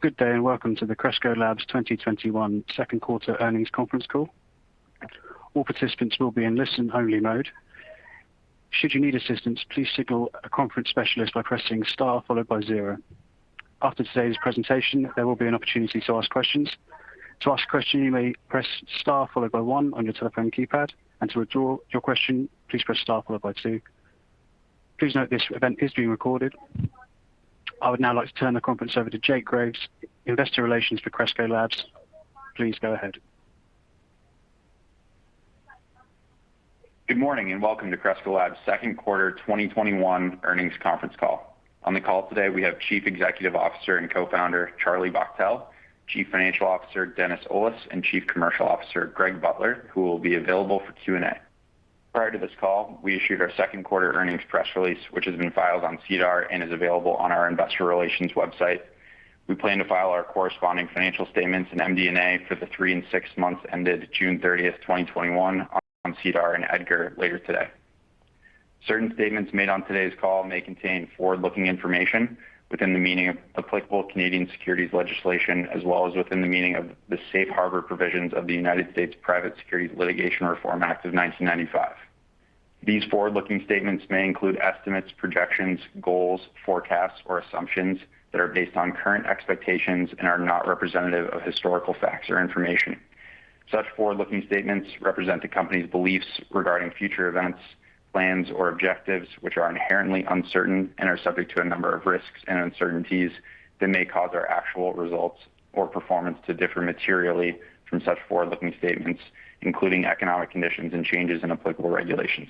Good day, and welcome to the Cresco Labs 2021 second quarter earnings conference call. All participants will be in listen only mode. Should you need assistance please signal a conference specialist by pressing star followed by zero. After today's presentation there will be an opportunity to ask questions. To ask a question, you may press star followed by one on your telephone keypad, and to withdraw your question please press star followed by two. Please note that this event is being recorded. I would now like to turn the conference over to Jake Graves, Investor Relations for Cresco Labs. Please go ahead. Good morning, and welcome to Cresco Labs second quarter 2021 earnings conference call. On the call today, we have Chief Executive Officer and Co-founder, Charlie Bachtell, Chief Financial Officer, Dennis Olis, and Chief Commercial Officer, Greg Butler, who will be available for Q&A. Prior to this call, we issued our second quarter earnings press release, which has been filed on SEDAR and is available on our investor relations website. We plan to file our corresponding financial statements and MD&A for the three and six months ended June 30th, 2021 on SEDAR and EDGAR later today. Certain statements made on today's call may contain forward-looking information within the meaning of applicable Canadian securities legislation, as well as within the meaning of the safe harbor provisions of the U.S. Private Securities Litigation Reform Act of 1995. These forward-looking statements may include estimates, projections, goals, forecasts, or assumptions that are based on current expectations and are not representative of historical facts or information. Such forward-looking statements represent the company's beliefs regarding future events, plans, or objectives, which are inherently uncertain and are subject to a number of risks and uncertainties that may cause our actual results or performance to differ materially from such forward-looking statements, including economic conditions and changes in applicable regulations.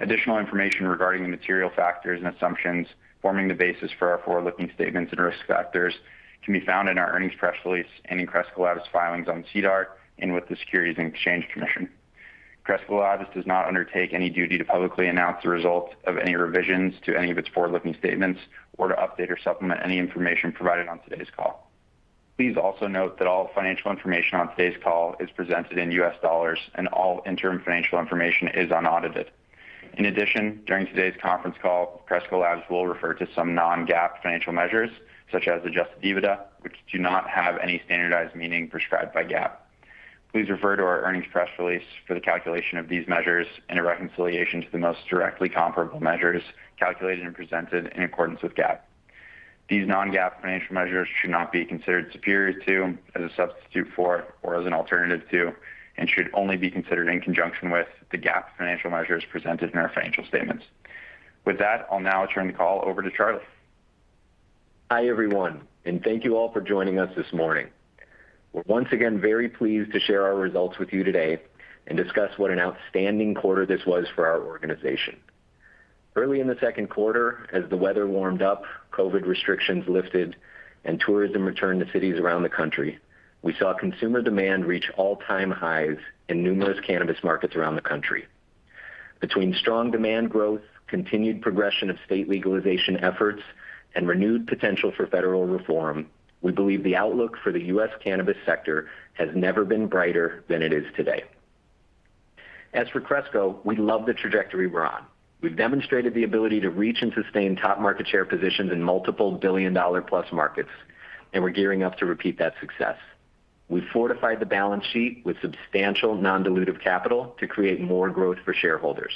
Additional information regarding the material factors and assumptions forming the basis for our forward-looking statements and risk factors can be found in our earnings press release and in Cresco Labs filings on SEDAR and with the Securities and Exchange Commission. Cresco Labs does not undertake any duty to publicly announce the results of any revisions to any of its forward-looking statements or to update or supplement any information provided on today's call. Please also note that all financial information on today's call is presented in U.S. dollars, and all interim financial information is unaudited. In addition, during today's conference call, Cresco Labs will refer to some non-GAAP financial measures, such as adjusted EBITDA, which do not have any standardized meaning prescribed by GAAP. Please refer to our earnings press release for the calculation of these measures and a reconciliation to the most directly comparable measures calculated and presented in accordance with GAAP. These non-GAAP financial measures should not be considered superior to, as a substitute for, or as an alternative to, and should only be considered in conjunction with the GAAP financial measures presented in our financial statements. With that, I'll now turn the call over to Charlie. Hi, everyone, and thank you all for joining us this morning. We're once again very pleased to share our results with you today and discuss what an outstanding quarter this was for our organization. Early in the second quarter, as the weather warmed up, COVID restrictions lifted, and tourism returned to cities around the country, we saw consumer demand reach all-time highs in numerous cannabis markets around the country. Between strong demand growth, continued progression of state legalization efforts, and renewed potential for federal reform, we believe the outlook for the U.S. cannabis sector has never been brighter than it is today. As for Cresco, we love the trajectory we're on. We've demonstrated the ability to reach and sustain top market share positions in multiple billion-dollar-plus markets, and we're gearing up to repeat that success. We've fortified the balance sheet with substantial non-dilutive capital to create more growth for shareholders.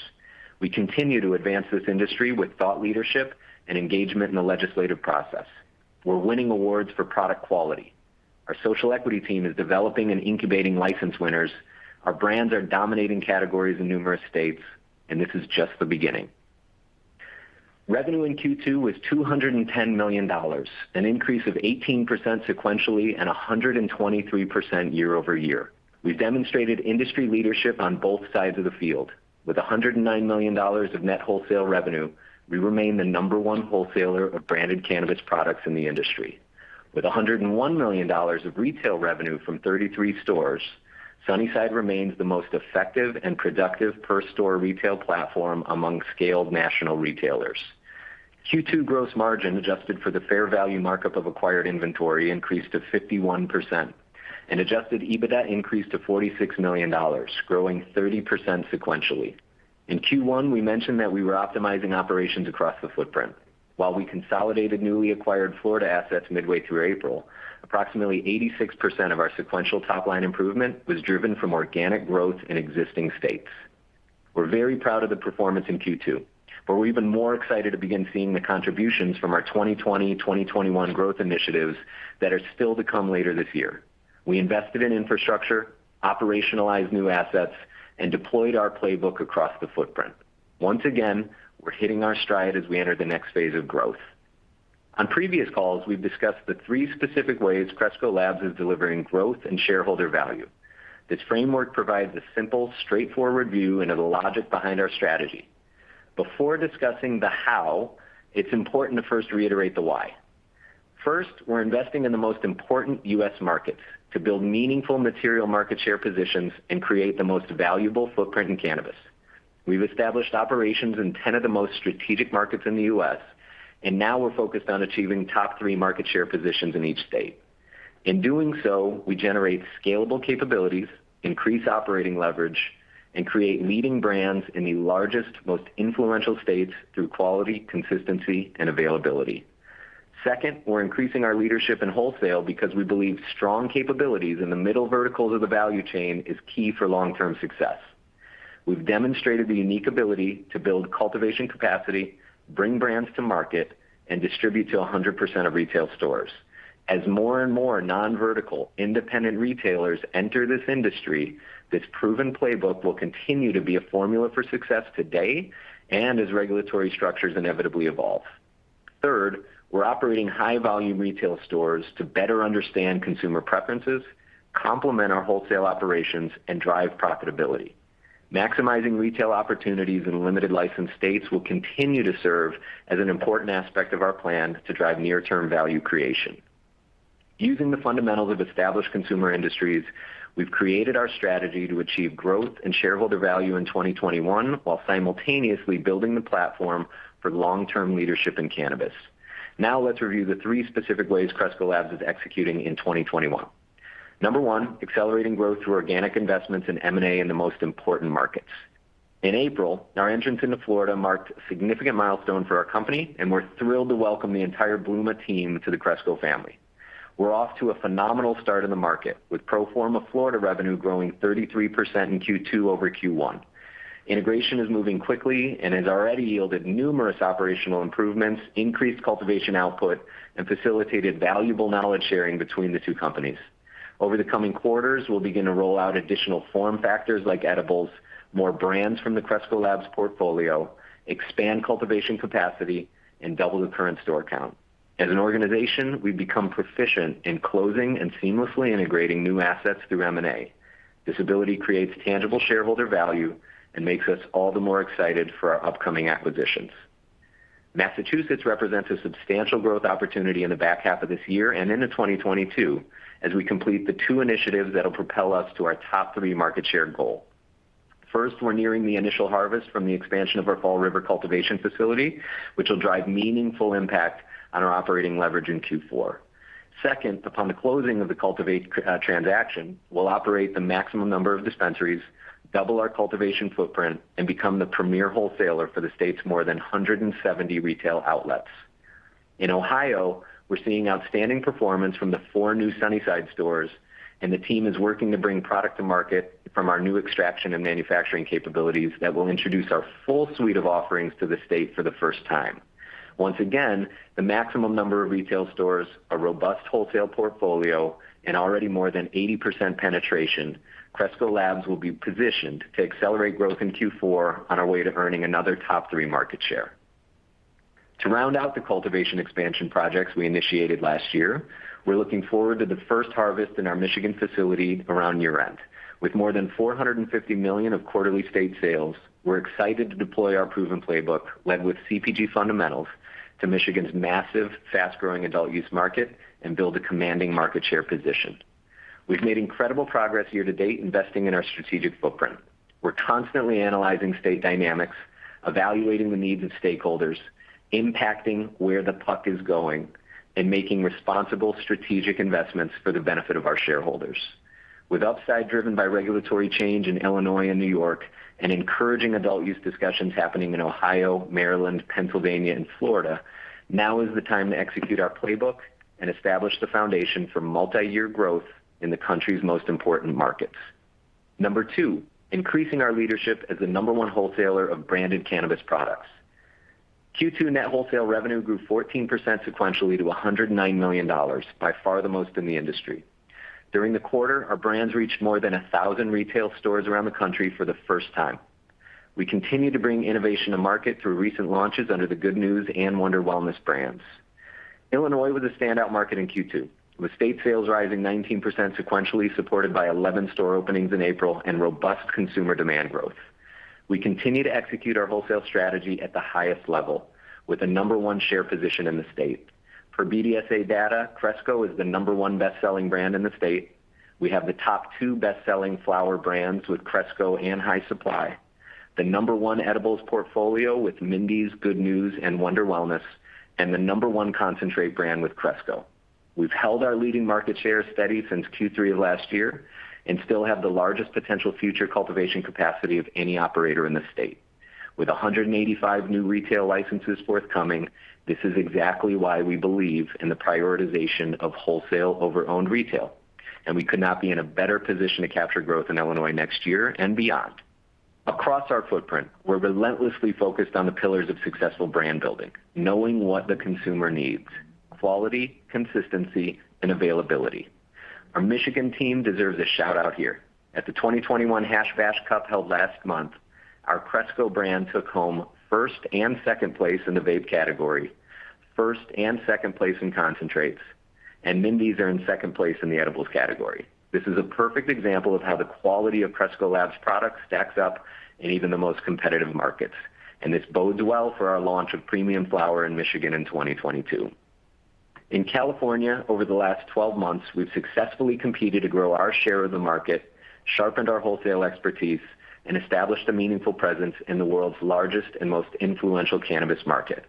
We continue to advance this industry with thought leadership and engagement in the legislative process. We're winning awards for product quality. Our social equity team is developing and incubating license winners. Our brands are dominating categories in numerous states, and this is just the beginning. Revenue in Q2 was $210 million, an increase of 18% sequentially and 123% year-over-year. We've demonstrated industry leadership on both sides of the field. With $109 million of net wholesale revenue, we remain the number one wholesaler of branded cannabis products in the industry. With $101 million of retail revenue from 33 stores, Sunnyside remains the most effective and productive per store retail platform among scaled national retailers. Q2 gross margin, adjusted for the fair value markup of acquired inventory, increased to 51%, and adjusted EBITDA increased to $46 million, growing 30% sequentially. In Q1, we mentioned that we were optimizing operations across the footprint. While we consolidated newly acquired Florida assets midway through April, approximately 86% of our sequential top-line improvement was driven from organic growth in existing states. We're very proud of the performance in Q2, we're even more excited to begin seeing the contributions from our 2020, 2021 growth initiatives that are still to come later this year. We invested in infrastructure, operationalized new assets, and deployed our playbook across the footprint. Once again, we're hitting our stride as we enter the next phase of growth. On previous calls, we've discussed the three specific ways Cresco Labs is delivering growth and shareholder value. This framework provides a simple, straightforward view into the logic behind our strategy. Before discussing the how, it's important to first reiterate the why. First, we're investing in the most important U.S. markets to build meaningful material market share positions and create the most valuable footprint in cannabis. Now we're focused on achieving top 3 market share positions in each state. In doing so, we generate scalable capabilities, increase operating leverage, and create leading brands in the largest, most influential states through quality, consistency, and availability. Second, we're increasing our leadership in wholesale because we believe strong capabilities in the middle verticals of the value chain is key for long-term success. We've demonstrated the unique ability to build cultivation capacity, bring brands to market, and distribute to 100% of retail stores. As more and more non-vertical independent retailers enter this industry, this proven playbook will continue to be a formula for success today, as regulatory structures inevitably evolve. Third, we're operating high-volume retail stores to better understand consumer preferences, complement our wholesale operations, and drive profitability. Maximizing retail opportunities in limited license states will continue to serve as an important aspect of our plan to drive near-term value creation. Using the fundamentals of established consumer industries, we've created our strategy to achieve growth and shareholder value in 2021, while simultaneously building the platform for long-term leadership in cannabis. Let's review the three specific ways Cresco Labs is executing in 2021. Number one, accelerating growth through organic investments in M&A in the most important markets. In April, our entrance into Florida marked a significant milestone for our company, and we're thrilled to welcome the entire Bluma team to the Cresco family. We're off to a phenomenal start in the market, with pro forma Florida revenue growing 33% in Q2 over Q1. Integration is moving quickly and has already yielded numerous operational improvements, increased cultivation output, and facilitated valuable knowledge-sharing between the two companies. Over the coming quarters, we'll begin to roll out additional form factors like edibles, more brands from the Cresco Labs portfolio, expand cultivation capacity, and double the current store count. As an organization, we've become proficient in closing and seamlessly integrating new assets through M&A. This ability creates tangible shareholder value and makes us all the more excited for our upcoming acquisitions. Massachusetts represents a substantial growth opportunity in the back half of this year and into 2022, as we complete the two initiatives that'll propel us to our top three market share goal. First, we're nearing the initial harvest from the expansion of our Fall River cultivation facility, which will drive meaningful impact on our operating leverage in Q4. Second, upon the closing of the Cultivate transaction, we'll operate the maximum number of dispensaries, double our cultivation footprint, and become the premier wholesaler for the state's more than 170 retail outlets. In Ohio, we're seeing outstanding performance from the four new Sunnyside stores, and the team is working to bring product to market from our new extraction and manufacturing capabilities that will introduce our full suite of offerings to the state for the first time. Once again, the maximum number of retail stores, a robust wholesale portfolio, and already more than 80% penetration, Cresco Labs will be positioned to accelerate growth in Q4 on our way to earning another top three market share. To round out the cultivation expansion projects we initiated last year, we're looking forward to the first harvest in our Michigan facility around year-end. With more than $450 million of quarterly state sales, we're excited to deploy our proven playbook, led with CPG fundamentals, to Michigan's massive, fast-growing adult use market and build a commanding market share position. We've made incredible progress year to date investing in our strategic footprint. We're constantly analyzing state dynamics, evaluating the needs of stakeholders, impacting where the puck is going, and making responsible strategic investments for the benefit of our shareholders. With upside driven by regulatory change in Illinois and New York, and encouraging adult use discussions happening in Ohio, Maryland, Pennsylvania, and Florida, now is the time to execute our playbook and establish the foundation for multiyear growth in the country's most important markets. Number two, increasing our leadership as the number one wholesaler of branded cannabis products. Q2 net wholesale revenue grew 14% sequentially to $109 million, by far the most in the industry. During the quarter, our brands reached more than 1,000 retail stores around the country for the first time. We continue to bring innovation to market through recent launches under the Good News and Wonder Wellness brands. Illinois was a standout market in Q2, with state sales rising 19% sequentially, supported by 11 store openings in April and robust consumer demand growth. We continue to execute our wholesale strategy at the highest level with a number one share position in the state. Per BDSA data, Cresco is the number one best-selling brand in the state. We have the top 2 best-selling flower brands with Cresco and High Supply, the number one edibles portfolio with Mindy's, Good News, and Wonder Wellness, and the number one concentrate brand with Cresco. We've held our leading market share steady since Q3 of last year and still have the largest potential future cultivation capacity of any operator in the state. With 185 new retail licenses forthcoming, this is exactly why we believe in the prioritization of wholesale over owned retail, and we could not be in a better position to capture growth in Illinois next year and beyond. Across our footprint, we're relentlessly focused on the pillars of successful brand building, knowing what the consumer needs, quality, consistency, and availability. Our Michigan team deserves a shout-out here. At the 2021 Hash Bash Cup held last month, our Cresco brand took home first and second place in the vape category, first and second place in concentrates, and Mindy's earned second place in the edibles category. This is a perfect example of how the quality of Cresco Labs products stacks up in even the most competitive markets. This bodes well for our launch of premium flower in Michigan in 2022. In California, over the last 12 months, we've successfully competed to grow our share of the market, sharpened our wholesale expertise, and established a meaningful presence in the world's largest and most influential cannabis market.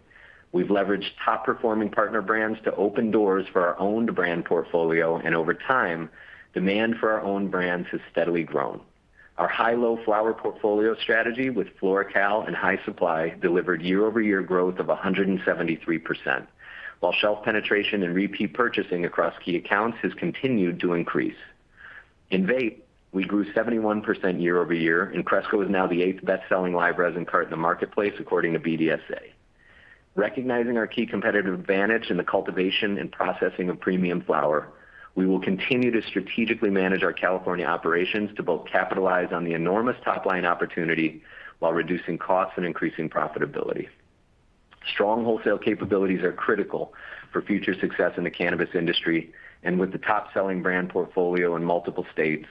We've leveraged top-performing partner brands to open doors for our owned brand portfolio. Over time, demand for our owned brands has steadily grown. Our high-low flower portfolio strategy with FloraCal and High Supply delivered year-over-year growth of 173%, while shelf penetration and repeat purchasing across key accounts has continued to increase. In vape, we grew 71% year-over-year. Cresco is now the eighth best-selling live resin cart in the marketplace according to BDSA. Recognizing our key competitive advantage in the cultivation and processing of premium flower, we will continue to strategically manage our California operations to both capitalize on the enormous top-line opportunity while reducing costs and increasing profitability. Strong wholesale capabilities are critical for future success in the cannabis industry, and with the top-selling brand portfolio in multiple states,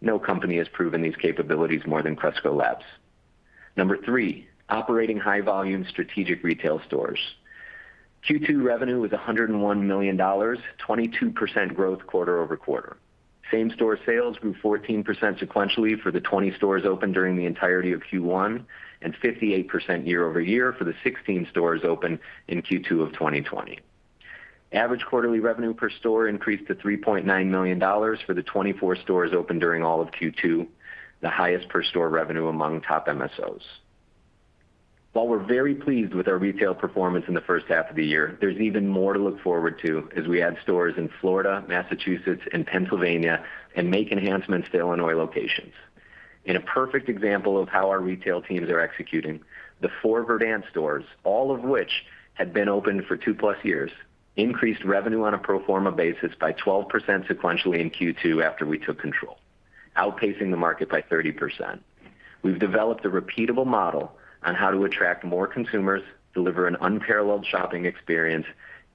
no company has proven these capabilities more than Cresco Labs. Number three, operating high-volume strategic retail stores. Q2 revenue was $101 million, 22% growth quarter-over-quarter. Same-store sales grew 14% sequentially for the 20 stores opened during the entirety of Q1, and 58% year-over-year for the 16 stores opened in Q2 of 2020. Average quarterly revenue per store increased to $3.9 million for the 24 stores opened during all of Q2, the highest per-store revenue among top MSOs. While we're very pleased with our retail performance in the first half of the year, there's even more to look forward to as we add stores in Florida, Massachusetts, and Pennsylvania, and make enhancements to Illinois locations. In a perfect example of how our retail teams are executing, the four Verdant stores, all of which had been open for 2+ years, increased revenue on a pro forma basis by 12% sequentially in Q2 after we took control, outpacing the market by 30%. We've developed a repeatable model on how to attract more consumers, deliver an unparalleled shopping experience,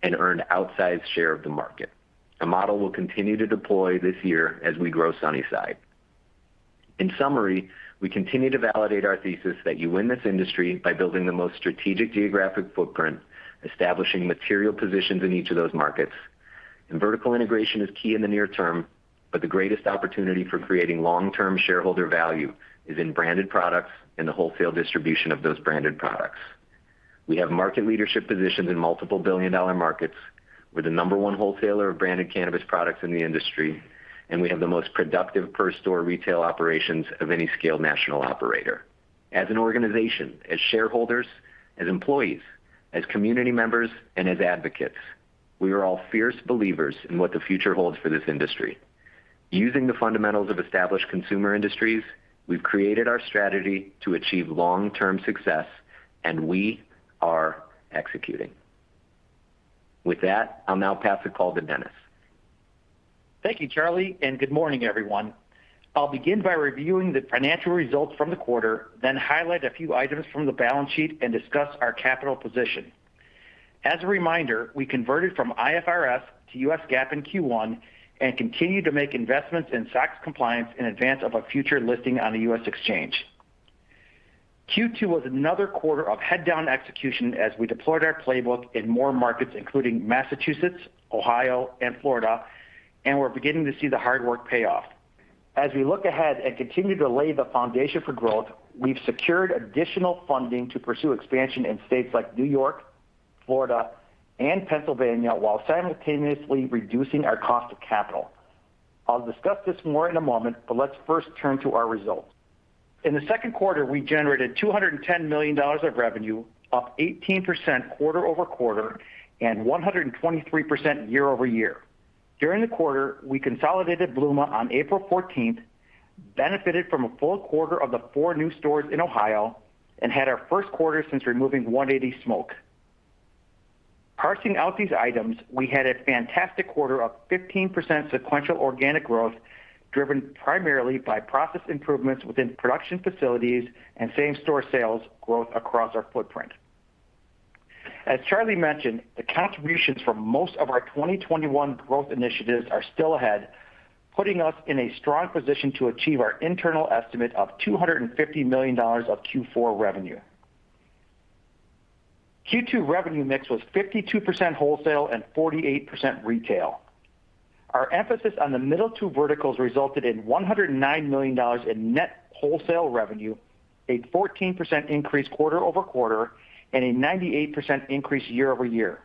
and earn outsized share of the market. The model will continue to deploy this year as we grow Sunnyside. In summary, we continue to validate our thesis that you win this industry by building the most strategic geographic footprint, establishing material positions in each of those markets, and vertical integration is key in the near term, but the greatest opportunity for creating long-term shareholder value is in branded products and the wholesale distribution of those branded products. We have market leadership positions in multiple billion-dollar markets. We're the number one wholesaler of branded cannabis products in the industry, and we have the most productive per-store retail operations of any scaled national operator. As an organization, as shareholders, as employees, as community members, and as advocates, we are all fierce believers in what the future holds for this industry. Using the fundamentals of established consumer industries, we've created our strategy to achieve long-term success, and we are executing. With that, I'll now pass the call to Dennis. Thank you, Charlie, and good morning, everyone. I'll begin by reviewing the financial results from the quarter, then highlight a few items from the balance sheet and discuss our capital position. As a reminder, we converted from IFRS to U.S. GAAP in Q1, and continue to make investments in SOX compliance in advance of a future listing on a U.S. exchange. Q2 was another quarter of head-down execution as we deployed our playbook in more markets, including Massachusetts, Ohio, and Florida, and we're beginning to see the hard work pay off. As we look ahead and continue to lay the foundation for growth, we've secured additional funding to pursue expansion in states like New York, Florida, and Pennsylvania, while simultaneously reducing our cost of capital. I'll discuss this more in a moment, but let's first turn to our results. In the second quarter, we generated $210 million of revenue, up 18% quarter-over-quarter, and 123% year-over-year. During the quarter, we consolidated Bluma on April 14th, benefited from a full quarter of the 4 new stores in Ohio, and had our first quarter since removing 180 Smoke. Parsing out these items, we had a fantastic quarter of 15% sequential organic growth, driven primarily by process improvements within production facilities and same-store sales growth across our footprint. As Charlie mentioned, the contributions from most of our 2021 growth initiatives are still ahead, putting us in a strong position to achieve our internal estimate of $250 million of Q4 revenue. Q2 revenue mix was 52% wholesale and 48% retail. Our emphasis on the middle two verticals resulted in $109 million in net wholesale revenue, a 14% increase quarter-over-quarter, and a 98% increase year-over-year.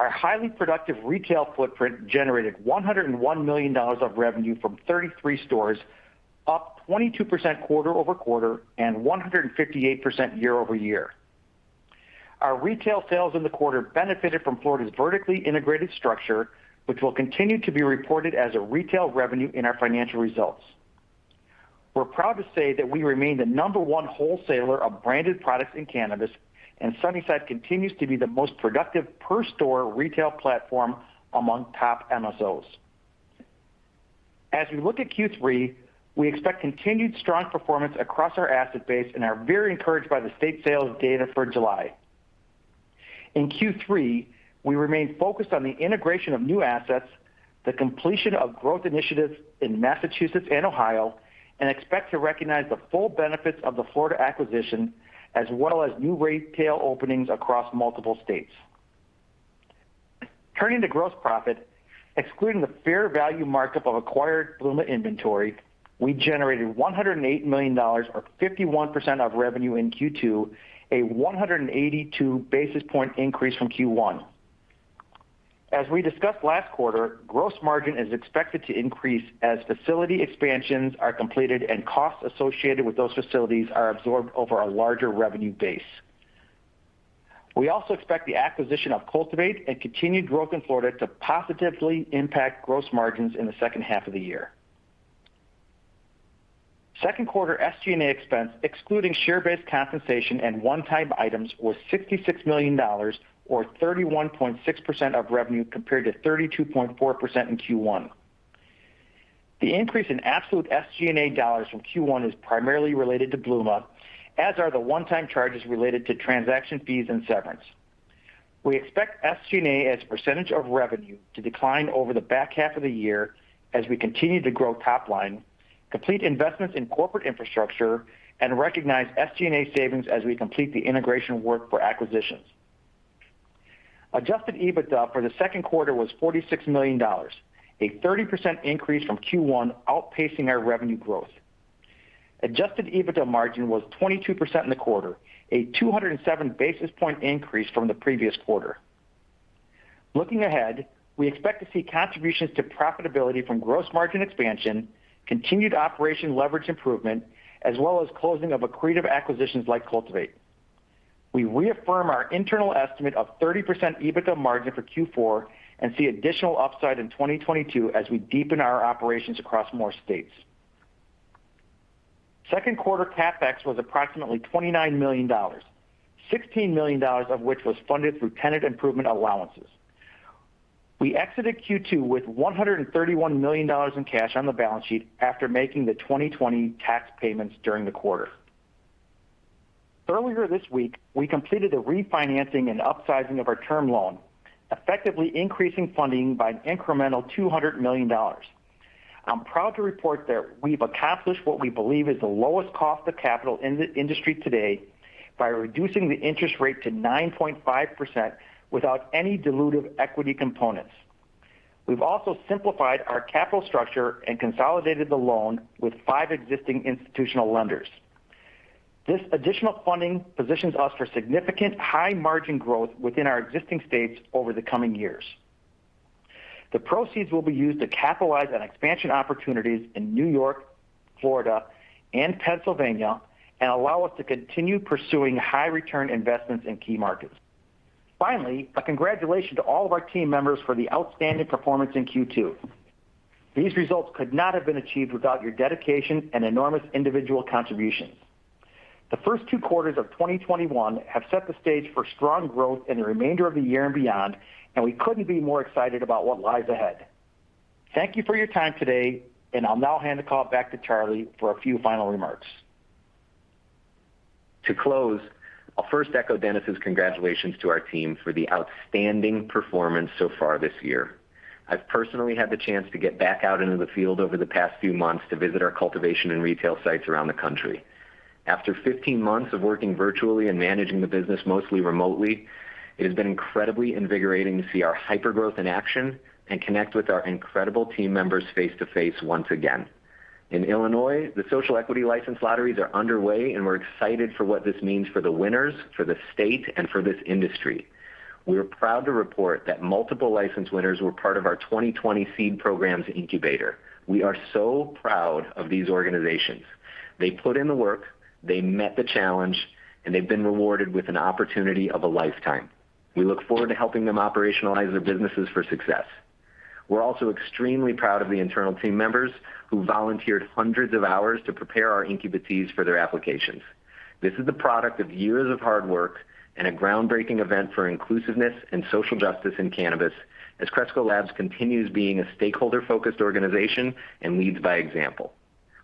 Our highly productive retail footprint generated $101 million of revenue from 33 stores, up 22% quarter-over-quarter, and 158% year-over-year. Our retail sales in the quarter benefited from Florida's vertically integrated structure, which will continue to be reported as a retail revenue in our financial results. We're proud to say that we remain the number one wholesaler of branded products in cannabis, and Sunnyside continues to be the most productive per-store retail platform among top MSOs. As we look at Q3, we expect continued strong performance across our asset base and are very encouraged by the state sales data for July. In Q3, we remain focused on the integration of new assets, the completion of growth initiatives in Massachusetts and Ohio, and expect to recognize the full benefits of the Florida acquisition, as well as new retail openings across multiple states. Turning to gross profit, excluding the fair value markup of acquired Bluma inventory, we generated $108 million or 51% of revenue in Q2, a 182 basis point increase from Q1. As we discussed last quarter, gross margin is expected to increase as facility expansions are completed and costs associated with those facilities are absorbed over a larger revenue base. We also expect the acquisition of Cultivate and continued growth in Florida to positively impact gross margins in the second half of the year. Second quarter SG&A expense, excluding share-based compensation and one-time items, was $66 million, or 31.6% of revenue, compared to 32.4% in Q1. The increase in absolute SG&A dollars from Q1 is primarily related to Bluma, as are the one-time charges related to transaction fees and severance. We expect SG&A as a percentage of revenue to decline over the back half of the year as we continue to grow top line, complete investments in corporate infrastructure, and recognize SG&A savings as we complete the integration work for acquisitions. Adjusted EBITDA for the second quarter was $46 million, a 30% increase from Q1, outpacing our revenue growth. Adjusted EBITDA margin was 22% in the quarter, a 207 basis point increase from the previous quarter. Looking ahead, we expect to see contributions to profitability from gross margin expansion, continued operation leverage improvement, as well as closing of accretive acquisitions like Cultivate. We reaffirm our internal estimate of 30% EBITDA margin for Q4 and see additional upside in 2022 as we deepen our operations across more states. Second quarter CapEx was approximately $29 million, $16 million of which was funded through tenant improvement allowances. We exited Q2 with $131 million in cash on the balance sheet after making the 2020 tax payments during the quarter. Earlier this week, we completed a refinancing and upsizing of our term loan, effectively increasing funding by an incremental $200 million. I'm proud to report that we've accomplished what we believe is the lowest cost of capital in the industry today by reducing the interest rate to 9.5% without any dilutive equity components. We've also simplified our capital structure and consolidated the loan with five existing institutional lenders. This additional funding positions us for significant high margin growth within our existing states over the coming years. The proceeds will be used to capitalize on expansion opportunities in New York, Florida, and Pennsylvania, and allow us to continue pursuing high return investments in key markets. Finally, a congratulations to all of our team members for the outstanding performance in Q2. These results could not have been achieved without your dedication and enormous individual contributions. The first two quarters of 2021 have set the stage for strong growth in the remainder of the year and beyond. We couldn't be more excited about what lies ahead. Thank you for your time today. I'll now hand the call back to Charlie for a few final remarks. To close, I'll first echo Dennis' congratulations to our team for the outstanding performance so far this year. I've personally had the chance to get back out into the field over the past few months to visit our cultivation and retail sites around the country. After 15 months of working virtually and managing the business mostly remotely, it has been incredibly invigorating to see our hypergrowth in action and connect with our incredible team members face-to-face once again. In Illinois, the social equity license lotteries are underway, and we're excited for what this means for the winners, for the state, and for this industry. We're proud to report that multiple license winners were part of our 2020 SEED Program Incubator. We are so proud of these organizations. They put in the work, they met the challenge, and they've been rewarded with an opportunity of a lifetime. We look forward to helping them operationalize their businesses for success. We're also extremely proud of the internal team members who volunteered hundreds of hours to prepare our incubatees for their applications. This is the product of years of hard work and a groundbreaking event for inclusiveness and social justice in cannabis as Cresco Labs continues being a stakeholder-focused organization and leads by example.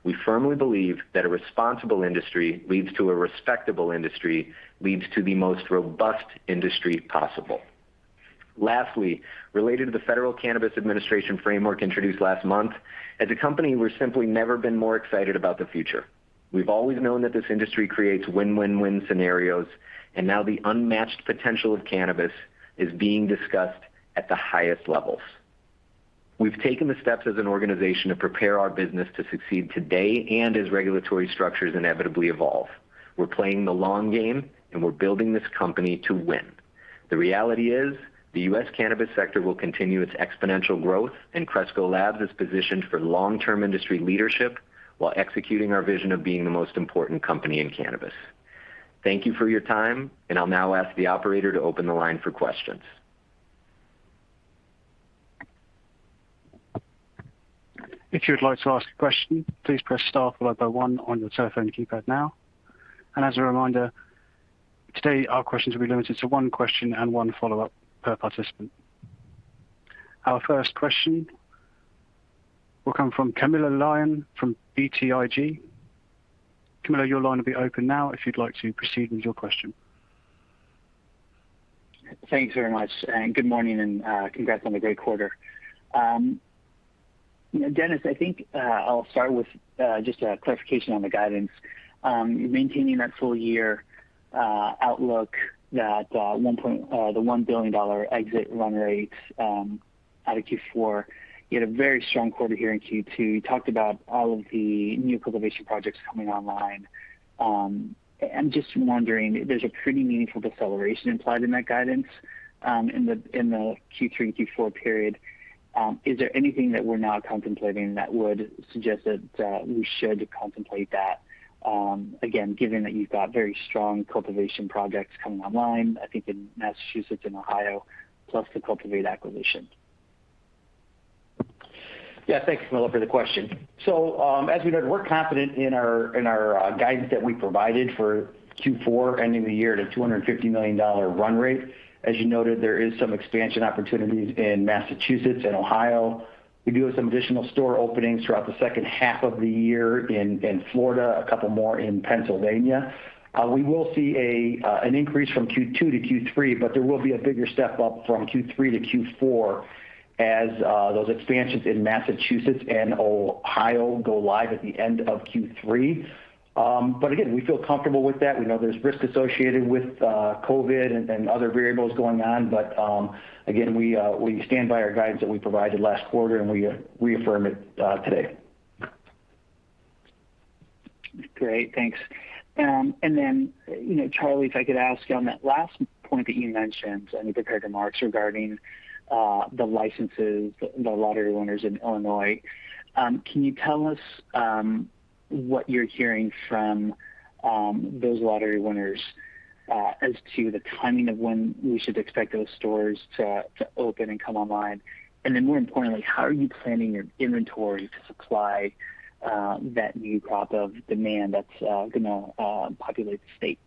We firmly believe that a responsible industry leads to a respectable industry, leads to the most robust industry possible. Lastly, related to the Federal Cannabis Administration framework introduced last month, as a company, we've simply never been more excited about the future. We've always known that this industry creates win-win-win scenarios, and now the unmatched potential of cannabis is being discussed at the highest levels. We've taken the steps as an organization to prepare our business to succeed today and as regulatory structures inevitably evolve. We're playing the long game, and we're building this company to win. The reality is, the U.S. cannabis sector will continue its exponential growth, and Cresco Labs is positioned for long-term industry leadership while executing our vision of being the most important company in cannabis. Thank you for your time, and I'll now ask the operator to open the line for questions. Our first question will come from Camilo Lyon from BTIG. Camilo, your line will be open now if you'd like to proceed with your question. Thanks very much, and good morning, and congrats on a great quarter. Dennis, I think I'll start with just a clarification on the guidance. You're maintaining that full year outlook, the $1 billion exit run rate out of Q4. You had a very strong quarter here in Q2. You talked about all of the new cultivation projects coming online. I'm just wondering, there's a pretty meaningful deceleration implied in that guidance in the Q3, Q4 period. Is there anything that we're now contemplating that would suggest that we should contemplate that, again, given that you've got very strong cultivation projects coming online, I think, in Massachusetts and Ohio, plus the Cultivate acquisition? Yeah. Thanks, Camilo, for the question. As we noted, we're confident in our guidance that we provided for Q4, ending the year at a $250 million run rate. As you noted, there is some expansion opportunities in Massachusetts and Ohio. We do have some additional store openings throughout the second half of the year in Florida, a couple more in Pennsylvania. We will see an increase from Q2 to Q3, but there will be a bigger step-up from Q3 to Q4 as those expansions in Massachusetts and Ohio go live at the end of Q3. Again, we feel comfortable with that. We know there's risk associated with COVID and other variables going on. Again, we stand by our guidance that we provided last quarter, and we reaffirm it today. Great. Thanks. Charlie, if I could ask you on that last point that you mentioned, when you compared to March regarding the licenses, the lottery winners in Illinois, can you tell us what you're hearing from those lottery winners as to the timing of when we should expect those stores to open and come online? More importantly, how are you planning your inventory to supply that new crop of demand that's going to populate the state?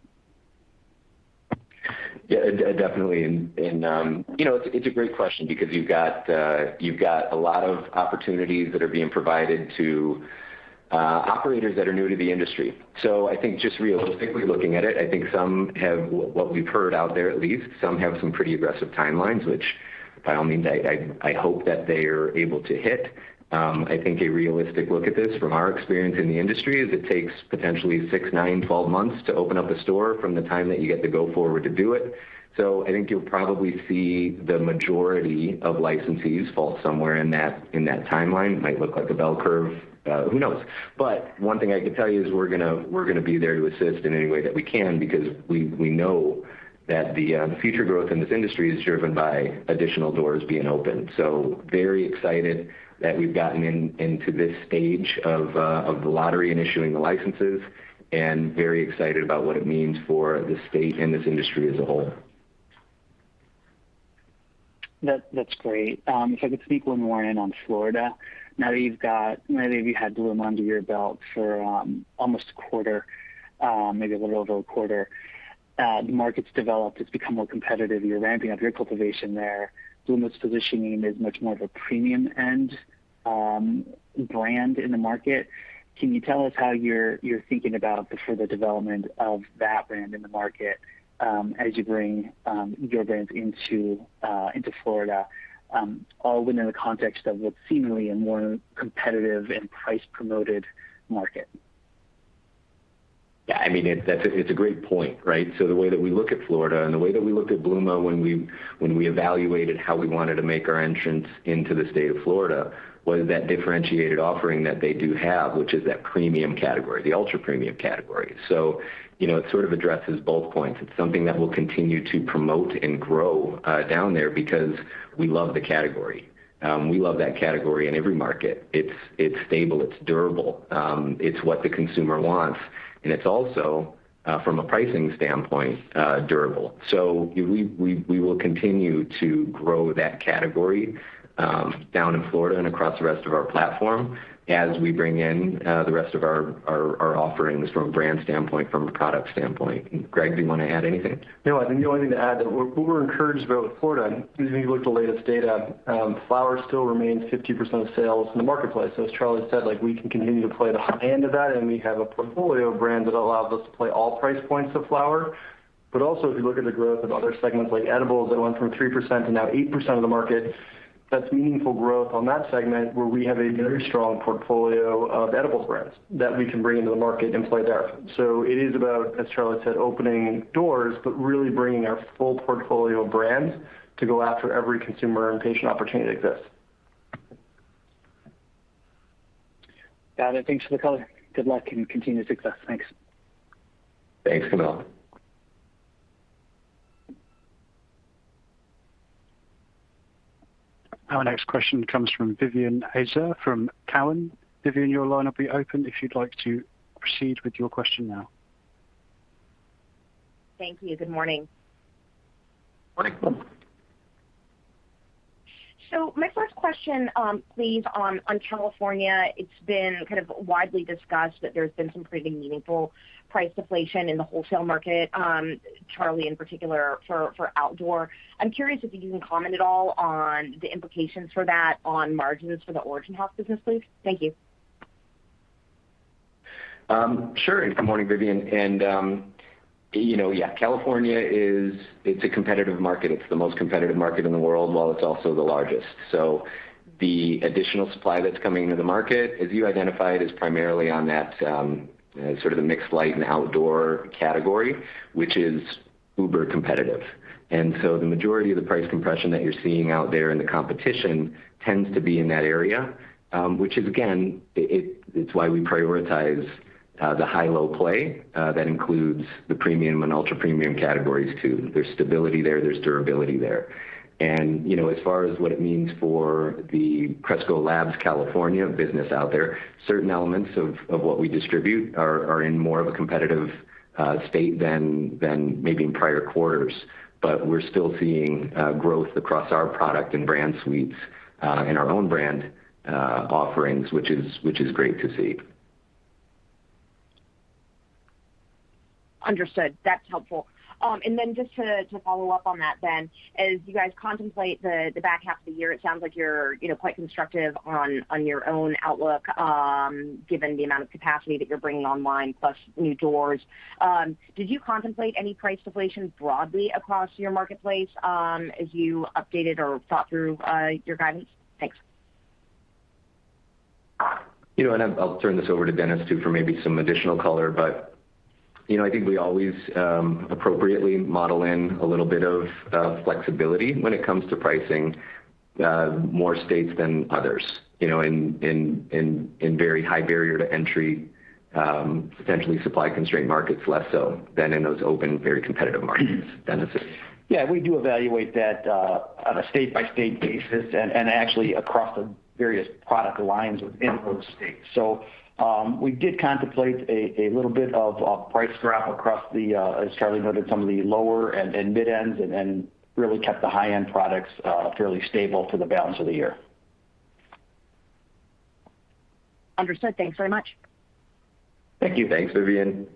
Yeah. Definitely. It's a great question because you've got a lot of opportunities that are being provided to operators that are new to the industry. I think just realistically looking at it, what we've heard out there at least, some have some pretty aggressive timelines, which by all means, I hope that they are able to hit. I think a realistic look at this from our experience in the industry is it takes potentially six, nine, 12 months to open up a store from the time that you get the go forward to do it. I think you'll probably see the majority of licensees fall somewhere in that timeline. It might look like a bell curve. Who knows? One thing I can tell you is we're going to be there to assist in any way that we can, because we know that the future growth in this industry is driven by additional doors being opened. Very excited that we've gotten into this stage of the lottery and issuing the licenses, and very excited about what it means for the state and this industry as a whole. That's great. If I could sneak one more in on Florida. Now that you've had Bluma under your belt for almost a quarter, maybe a little over a quarter, the market's developed. It's become more competitive. You're ramping up your cultivation there. Bluma's positioning is much more of a premium-end brand in the market. Can you tell us how you're thinking about the further development of that brand in the market as you bring your brands into Florida, all within the context of what's seemingly a more competitive and price-promoted market? Yeah, it's a great point, right? The way that we look at Florida, and the way that we looked at Bluma when we evaluated how we wanted to make our entrance into the state of Florida, was that differentiated offering that they do have, which is that premium category, the ultra-premium category. It sort of addresses both points. It's something that we'll continue to promote and grow down there because we love the category. We love that category in every market. It's stable, it's durable. It's what the consumer wants. It's also, from a pricing standpoint, durable. We will continue to grow that category down in Florida and across the rest of our platform as we bring in the rest of our offerings from a brand standpoint, from a product standpoint. Greg, do you want to add anything? I think the only thing to add, that what we're encouraged about with Florida, when you look at the latest data, flower still remains 50% of sales in the marketplace. As Charlie said, we can continue to play the high end of that, and we have a portfolio of brands that allow us to play all price points of flower. Also, if you look at the growth of other segments, like edibles, that went from 3% to now 8% of the market, that's meaningful growth on that segment, where we have a very strong portfolio of edibles brands that we can bring into the market and play there. It is about, as Charlie said, opening doors, but really bringing our full portfolio of brands to go after every consumer and patient opportunity that exists. Got it. Thanks for the color. Good luck and continued success. Thanks. Thanks, Camilo. Our next question comes from Vivien Azer from Cowen. Vivien, your line will be opened if you'd like to proceed with your question now. Thank you. Good morning. Morning. My first question, please, on California. It's been kind of widely discussed that there's been some pretty meaningful price deflation in the wholesale market, Charlie, in particular, for outdoor. I'm curious if you can comment at all on the implications for that on margins for the Origin House business, please. Thank you. Sure. Good morning, Vivien. Yeah, California is a competitive market. It's the most competitive market in the world, while it's also the largest. The additional supply that's coming into the market, as you identified, is primarily on that sort of the mixed light and outdoor category, which is uber competitive. The majority of the price compression that you're seeing out there in the competition tends to be in that area. Which is again, it's why we prioritize the high-low play, that includes the premium and ultra-premium categories too. There's stability there's durability there. As far as what it means for the Cresco Labs California business out there, certain elements of what we distribute are in more of a competitive state than maybe in prior quarters. We're still seeing growth across our product and brand suites, and our own brand offerings, which is great to see. Understood. That's helpful. Just to follow up on that, as you guys contemplate the back half of the year, it sounds like you're quite constructive on your own outlook, given the amount of capacity that you're bringing online, plus new doors. Did you contemplate any price deflation broadly across your marketplace as you updated or thought through your guidance? Thanks. I'll turn this over to Dennis too, for maybe some additional color. I think we always appropriately model in a little bit of flexibility when it comes to pricing, more states than others. In very high barrier to entry, potentially supply-constrained markets less so than in those open, very competitive markets. Dennis. Yeah, we do evaluate that on a state-by-state basis, and actually across the various product lines within those states. We did contemplate a little bit of a price drop across the, as Charlie noted, some of the lower and mid ends, and really kept the high-end products fairly stable for the balance of the year. Understood. Thanks very much. Thank you. Thanks, Vivien.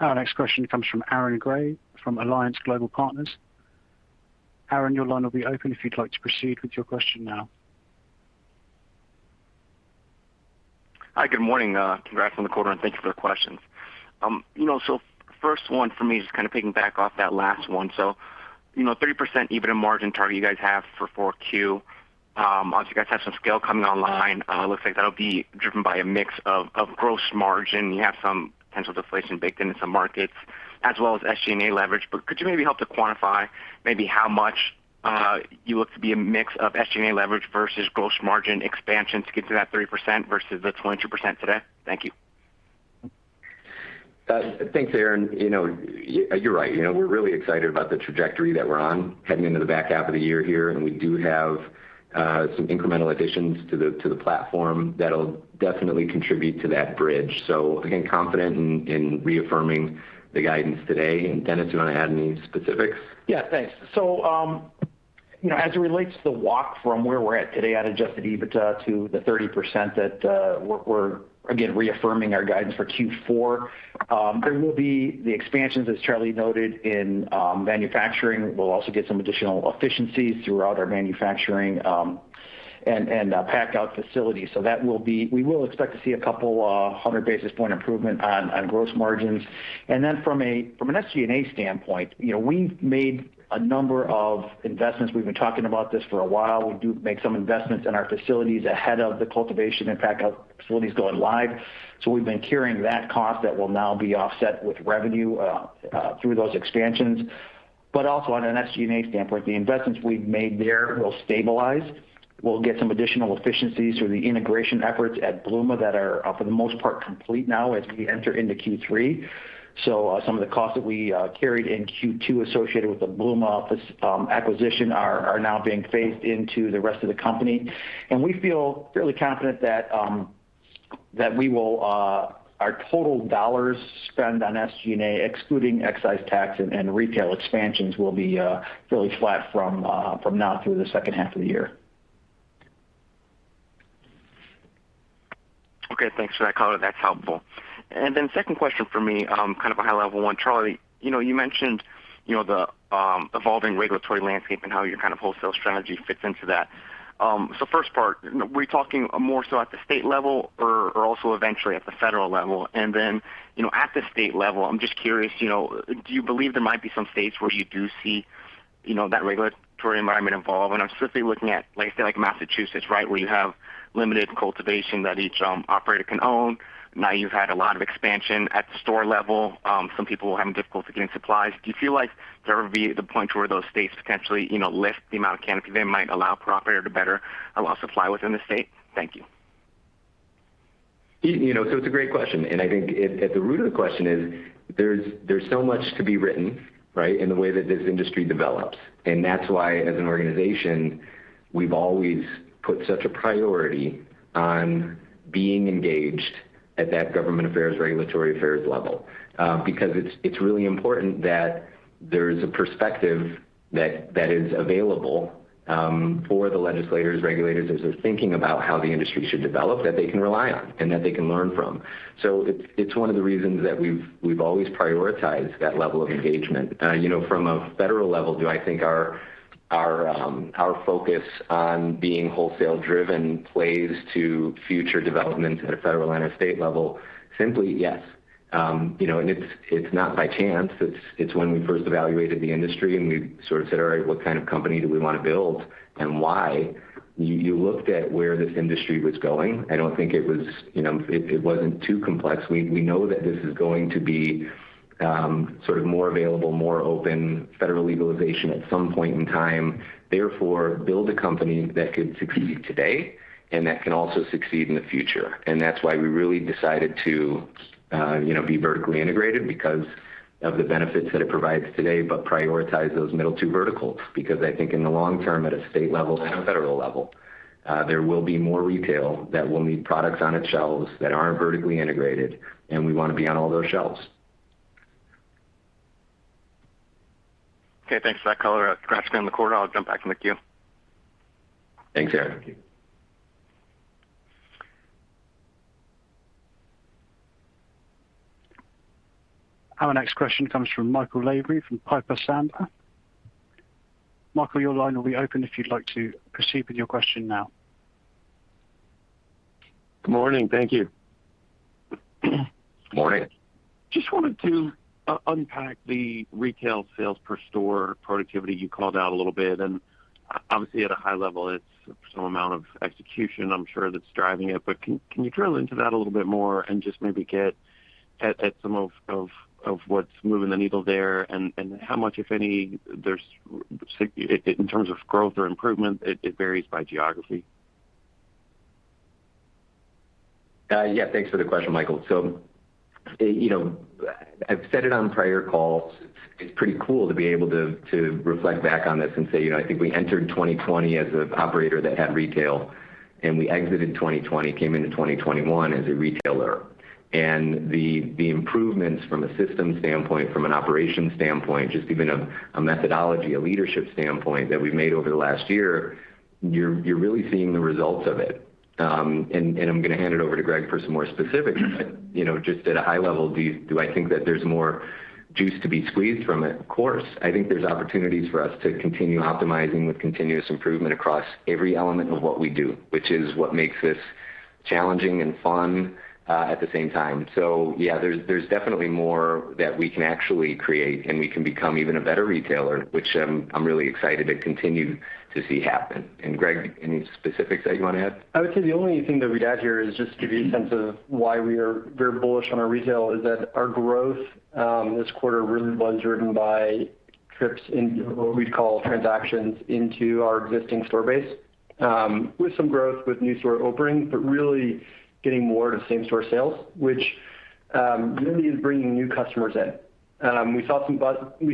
Our next question comes from Aaron Grey, from Alliance Global Partners. Aaron, your line will be open if you'd like to proceed with your question now. Hi, good morning. Congrats on the quarter, and thank you for the questions. First one for me is kind of piggyback off that last one. 30% EBITDA margin target you guys have for 4Q. Obviously, you guys have some scale coming online. Looks like that'll be driven by a mix of gross margin. You have some potential deflation baked into some markets, as well as SG&A leverage. Could you maybe help to quantify maybe how much you look to be a mix of SG&A leverage versus gross margin expansion to get to that 30% versus the 22% today? Thank you. Thanks, Aaron. You're right. We're really excited about the trajectory that we're on heading into the back half of the year here. We do have some incremental additions to the platform that'll definitely contribute to that bridge. Again, confident in reaffirming the guidance today. Dennis, do you want to add any specifics? Yeah, thanks. As it relates to the walk from where we're at today at adjusted EBITDA to the 30% that we're again, reaffirming our guidance for Q4, there will be the expansions, as Charlie noted, in manufacturing. We'll also get some additional efficiencies throughout our manufacturing and pack out facilities. We will expect to see a 200 basis points improvement on gross margins. From an SG&A standpoint, we've made a number of investments. We've been talking about this for a while. We do make some investments in our facilities ahead of the cultivation and pack out facilities going live. We've been carrying that cost that will now be offset with revenue through those expansions. On an SG&A standpoint, the investments we've made there will stabilize. We'll get some additional efficiencies through the integration efforts at Bluma that are for the most part, complete now as we enter into Q3. Some of the costs that we carried in Q2 associated with the Bluma acquisition are now being phased into the rest of the company. We feel fairly confident that our total dollars spent on SG&A, excluding excise tax and retail expansions, will be fairly flat from now through the second half of the year. Okay, thanks for that color. That's helpful. Then second question for me, kind of a high level one. Charlie, you mentioned the evolving regulatory landscape and how your kind of wholesale strategy fits into that. First part, were you talking more so at the state level or also eventually at the federal level? Then, at the state level, I'm just curious, do you believe there might be some states where you do see that regulatory environment evolve? I'm specifically looking at, say like Massachusetts, right? Where you have limited cultivation that each operator can own. Now you've had a lot of expansion at the store level. Some people are having difficulty getting supplies. Do you feel like there would be the point where those states potentially lift the amount of canopy they might allow per operator to better allow supply within the state? Thank you. It's a great question, and I think at the root of the question is there's so much to be written, right? In the way that this industry develops. That's why, as an organization, we've always put such a priority on being engaged at that government affairs, regulatory affairs level. Because it's really important that there's a perspective that is available for the legislators, regulators, as they're thinking about how the industry should develop, that they can rely on, and that they can learn from. It's one of the reasons that we've always prioritized that level of engagement. From a federal level, do I think our focus on being wholesale driven plays to future developments at a federal and a state level? Simply, yes. It's not by chance, it's when we first evaluated the industry, and we said, "All right, what kind of company do we want to build, and why?" You looked at where this industry was going. I don't think it wasn't too complex. We know that this is going to be more available, more open, federal legalization at some point in time, therefore, build a company that could succeed today and that can also succeed in the future. That's why we really decided to be vertically integrated, because of the benefits that it provides today, but prioritize those middle two verticals. I think in the long term, at a state level and a federal level, there will be more retail that will need products on its shelves that aren't vertically integrated, and we want to be on all those shelves. Okay, thanks for that color. That's scratching down the quarter. I'll jump back in the queue. Thanks, Aaron Grey. Thank you. Our next question comes from Michael Lavery from Piper Sandler. Michael, your line will be open if you'd like to proceed with your question now. Good morning. Thank you. Good morning. Just wanted to unpack the retail sales per store productivity you called out a little bit. Obviously, at a high level, it's some amount of execution, I'm sure, that's driving it. Can you drill into that a little bit more and just maybe get at some of what's moving the needle there, and how much, if any, in terms of growth or improvement, it varies by geography? Yeah. Thanks for the question, Michael. I've said it on prior calls, it's pretty cool to be able to reflect back on this and say, I think we entered 2020 as an operator that had retail, and we exited 2020, came into 2021 as a retailer. The improvements from a system standpoint, from an operations standpoint, just even a methodology, a leadership standpoint that we've made over the last year, you're really seeing the results of it. I'm going to hand it over to Greg for some more specifics, but just at a high level, do I think that there's more juice to be squeezed from it? Of course. I think there's opportunities for us to continue optimizing with continuous improvement across every element of what we do, which is what makes this challenging and fun, at the same time. Yeah, there's definitely more that we can actually create, and we can become even a better retailer, which I'm really excited to continue to see happen. Greg, any specifics that you want to add? I would say the only thing that we'd add here is just to give you a sense of why we are very bullish on our retail, is that our growth, this quarter, really was driven by trips in what we'd call transactions into our existing store base. With some growth with new store openings, but really getting more to same-store sales, which really is bringing new customers in. We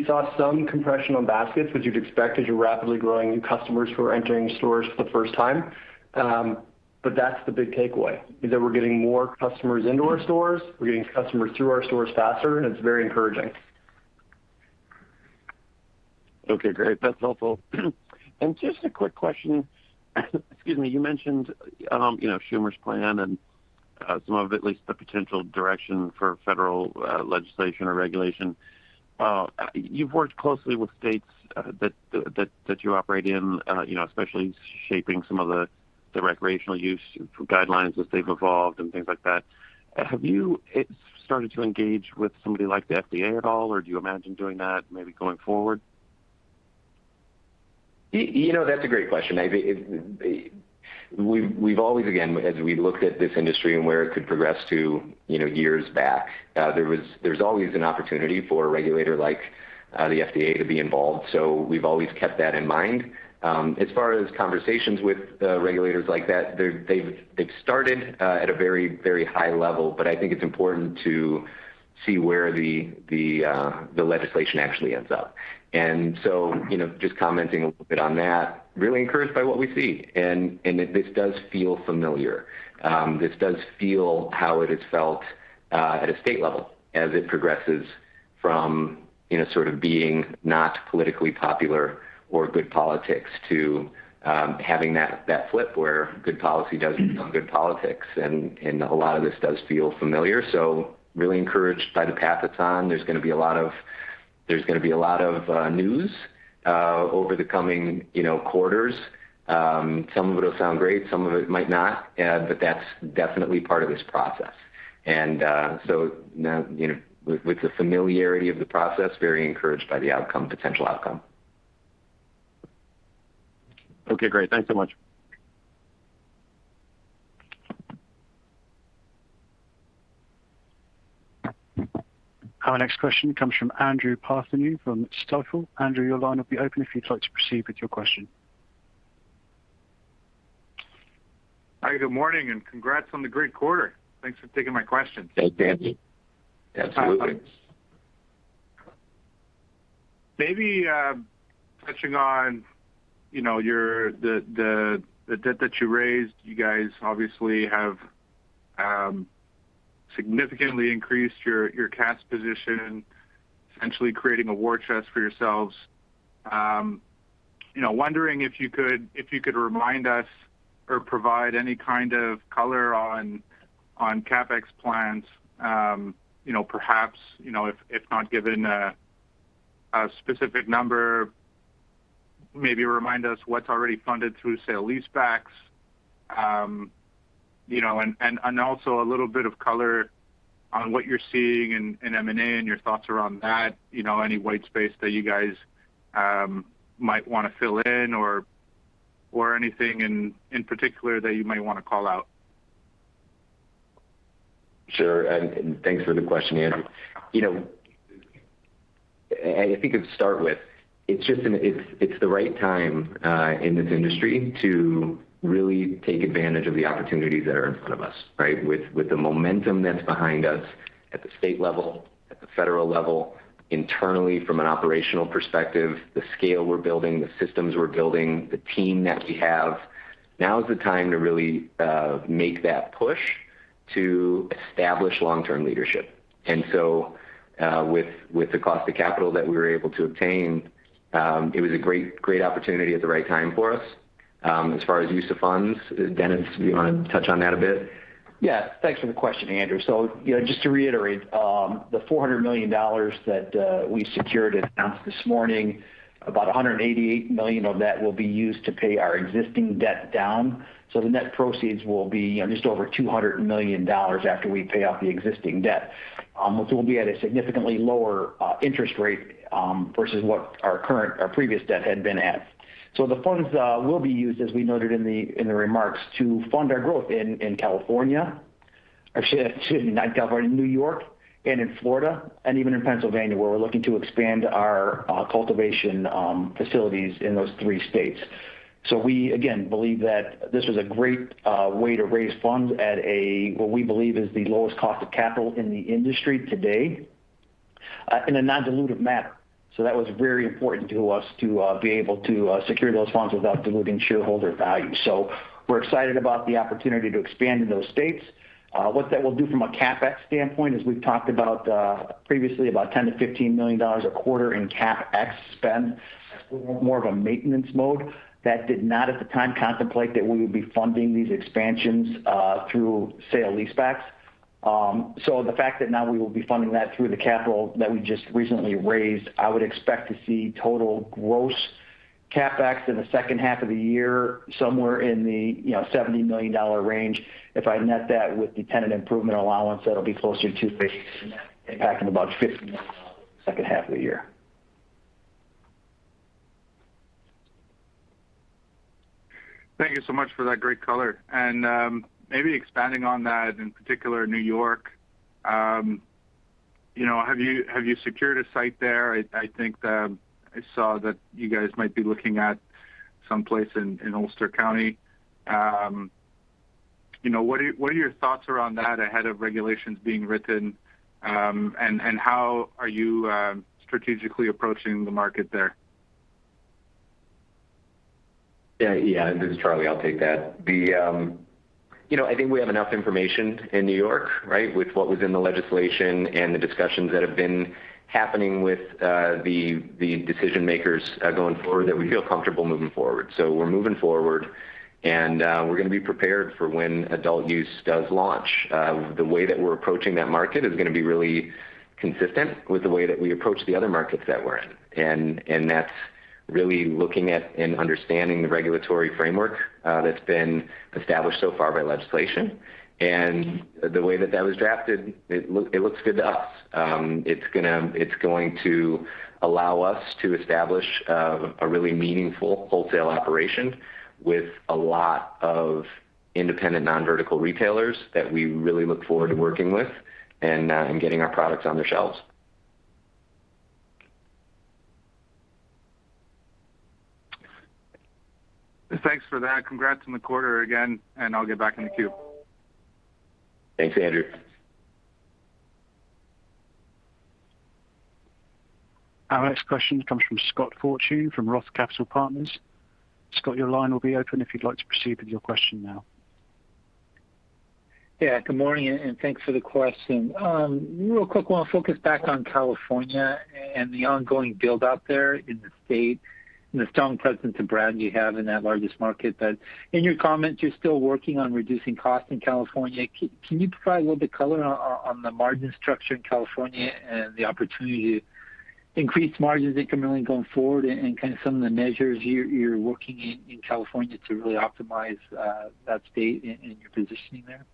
saw some compression on baskets, which you'd expect as you're rapidly growing new customers who are entering stores for the first time. That's the big takeaway, is that we're getting more customers into our stores, we're getting customers through our stores faster, and it's very encouraging. Okay, great. That's helpful. Just a quick question. Excuse me. You mentioned Schumer's plan and some of, at least, the potential direction for federal legislation or regulation. You've worked closely with states that you operate in, especially shaping some of the recreational use guidelines as they've evolved and things like that. Have you started to engage with somebody like the FDA at all, or do you imagine doing that maybe going forward? That's a great question. We've always, again, as we looked at this industry and where it could progress to years back, there's always an opportunity for a regulator like the FDA to be involved. We've always kept that in mind. As far as conversations with regulators like that, they've started at a very high level, but I think it's important to see where the legislation actually ends up. Just commenting a little bit on that, really encouraged by what we see. This does feel familiar. This does feel how it has felt at a state level as it progresses from being not politically popular or good politics to having that flip where good policy does become good politics, and a lot of this does feel familiar. Really encouraged by the path it's on. There's going to be a lot of news over the coming quarters. Some of it'll sound great, some of it might not, but that's definitely part of this process. Now, with the familiarity of the process, very encouraged by the potential outcome. Okay, great. Thanks so much. Our next question comes from Andrew Partheniou from Stifel. Andrew, your line will be open if you'd like to proceed with your question. Hi, good morning, and congrats on the great quarter. Thanks for taking my question. Thanks, Andrew. Absolutely. Touching on the debt that you raised, you guys obviously have significantly increased your cash position, essentially creating a war chest for yourselves. Wondering if you could remind us or provide any kind of color on CapEx plans. Perhaps, if not giving a specific number, maybe remind us what's already funded through sale leasebacks. Also a little bit of color on what you're seeing in M&A and your thoughts around that. Any white space that you guys might want to fill in or anything in particular that you might want to call out. Sure. Thanks for the question, Andrew. I think to start with, it's the right time in this industry to really take advantage of the opportunities that are in front of us, right? With the momentum that's behind us at the state level, at the federal level, internally from an operational perspective, the scale we're building, the systems we're building, the team that we have. Now is the time to really make that push to establish long-term leadership. With the cost of capital that we were able to obtain, it was a great opportunity at the right time for us. As far as use of funds, Dennis, do you want to touch on that a bit? Yeah. Thanks for the question, Andrew. Just to reiterate, the $400 million that we secured and announced this morning, about $188 million of that will be used to pay our existing debt down. The net proceeds will be just over $200 million after we pay off the existing debt, which will be at a significantly lower interest rate, versus what our previous debt had been at. The funds will be used, as we noted in the remarks, to fund our growth in California. Actually, not California, New York and in Florida, and even in Pennsylvania, where we're looking to expand our cultivation facilities in those three states. We, again, believe that this was a great way to raise funds at a, what we believe is the lowest cost of capital in the industry today, in a non-dilutive manner. That was very important to us to be able to secure those funds without diluting shareholder value. We're excited about the opportunity to expand in those states. What that will do from a CapEx standpoint, as we've talked about previously, about $10 million-$15 million a quarter in CapEx spend. We're in more of a maintenance mode. That did not, at the time, contemplate that we would be funding these expansions through sale leasebacks. The fact that now we will be funding that through the capital that we just recently raised, I would expect to see total gross CapEx in the second half of the year, somewhere in the $70 million range. If I net that with the tenant improvement allowance, that'll be closer to net back in about $50 million second half of the year. Thank you so much for that great color. Maybe expanding on that, in particular New York, have you secured a site there? I think that I saw that you guys might be looking at someplace in Ulster County. What are your thoughts around that ahead of regulations being written, and how are you strategically approaching the market there? Yeah. This is Charlie. I'll take that. I think we have enough information in New York, right? With what was in the legislation and the discussions that have been happening with the decision-makers going forward, that we feel comfortable moving forward. We're moving forward, and we're going to be prepared for when adult use does launch. The way that we're approaching that market is going to be really consistent with the way that we approach the other markets that we're in. That's really looking at and understanding the regulatory framework that's been established so far by legislation. The way that that was drafted, it looks good to us. It's going to allow us to establish a really meaningful wholesale operation with a lot of independent non-vertical retailers that we really look forward to working with, and getting our products on their shelves. Thanks for that. Congrats on the quarter again. I'll get back in the queue. Thanks, Andrew. Our next question comes from Scott Fortune, from Roth Capital Partners. Scott, your line will be open if you'd like to proceed with your question now. Good morning, and thanks for the question. Real quick, I want to focus back on California and the ongoing build out there in the state, and the strong presence of brand you have in that largest market that in your comments, you're still working on reducing cost in California. Can you provide a little bit color on the margin structure in California and the opportunity to increase margins incrementally going forward, and kind of some of the measures you're working in California to really optimize that state and your positioning there?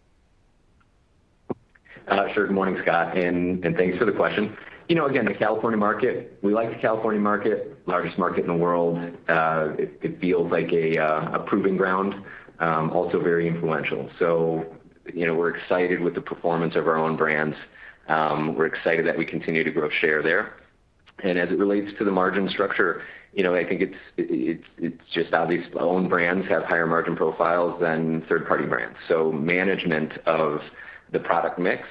Sure. Good morning, Scott, and thanks for the question. Again, the California market, we like the California market, largest market in the world. It feels like a proving ground. Also very influential. We're excited with the performance of our own brands. We're excited that we continue to grow share there. As it relates to the margin structure, I think it's just obvious our own brands have higher margin profiles than third-party brands. Management of the product mix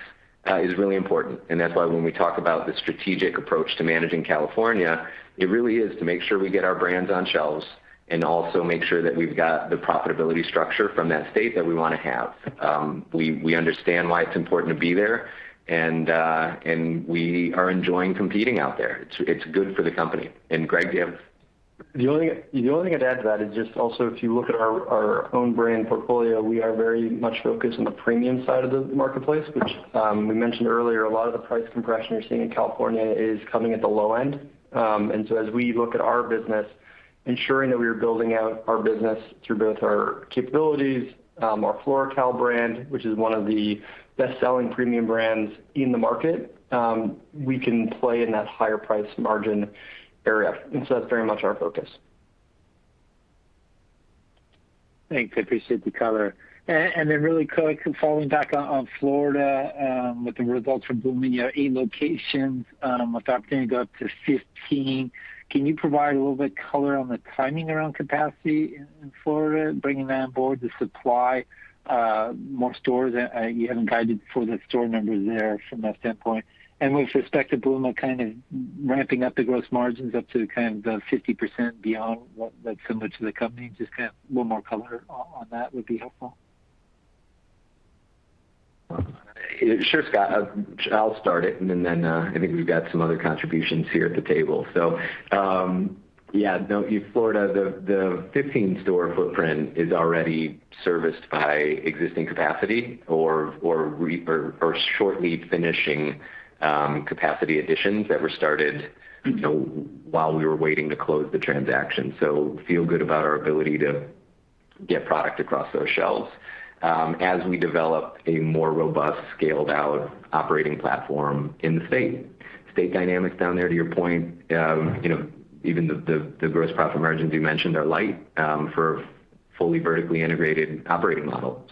is really important. That's why when we talk about the strategic approach to managing California, it really is to make sure we get our brands on shelves and also make sure that we've got the profitability structure from that state that we want to have. We understand why it's important to be there, and we are enjoying competing out there. It's good for the company. Greg, do you have. The only thing I'd add to that is just also, if you look at our own brand portfolio, we are very much focused on the premium side of the marketplace, which we mentioned earlier, a lot of the price compression you're seeing in California is coming at the low end. As we look at our business, ensuring that we are building out our business through both our capabilities, our FloraCal brand, which is one of the best-selling premium brands in the market, we can play in that higher price margin area. That's very much our focus. Thanks. I appreciate the color. Really quick, falling back on Florida, with the results from Bluma in your eight locations, with opting to go up to 15, can you provide a little bit of color on the timing around capacity in Florida, bringing that on board to supply more stores? You haven't guided for the store numbers there from that standpoint. With respect to Bluma kind of ramping up the gross margins up to kind of the 50% beyond what that's similar to the company, just kind of a little more color on that would be helpful. Sure, Scott. I'll start it, and then I think we've got some other contributions here at the table. Yeah, Florida, the 15-store footprint is already serviced by existing capacity or shortly finishing capacity additions that were started while we were waiting to close the transaction. Feel good about our ability to get product across those shelves. As we develop a more robust, scaled-out operating platform in the state. State dynamics down there, to your point, even the gross profit margins you mentioned are light for a fully vertically integrated operating model.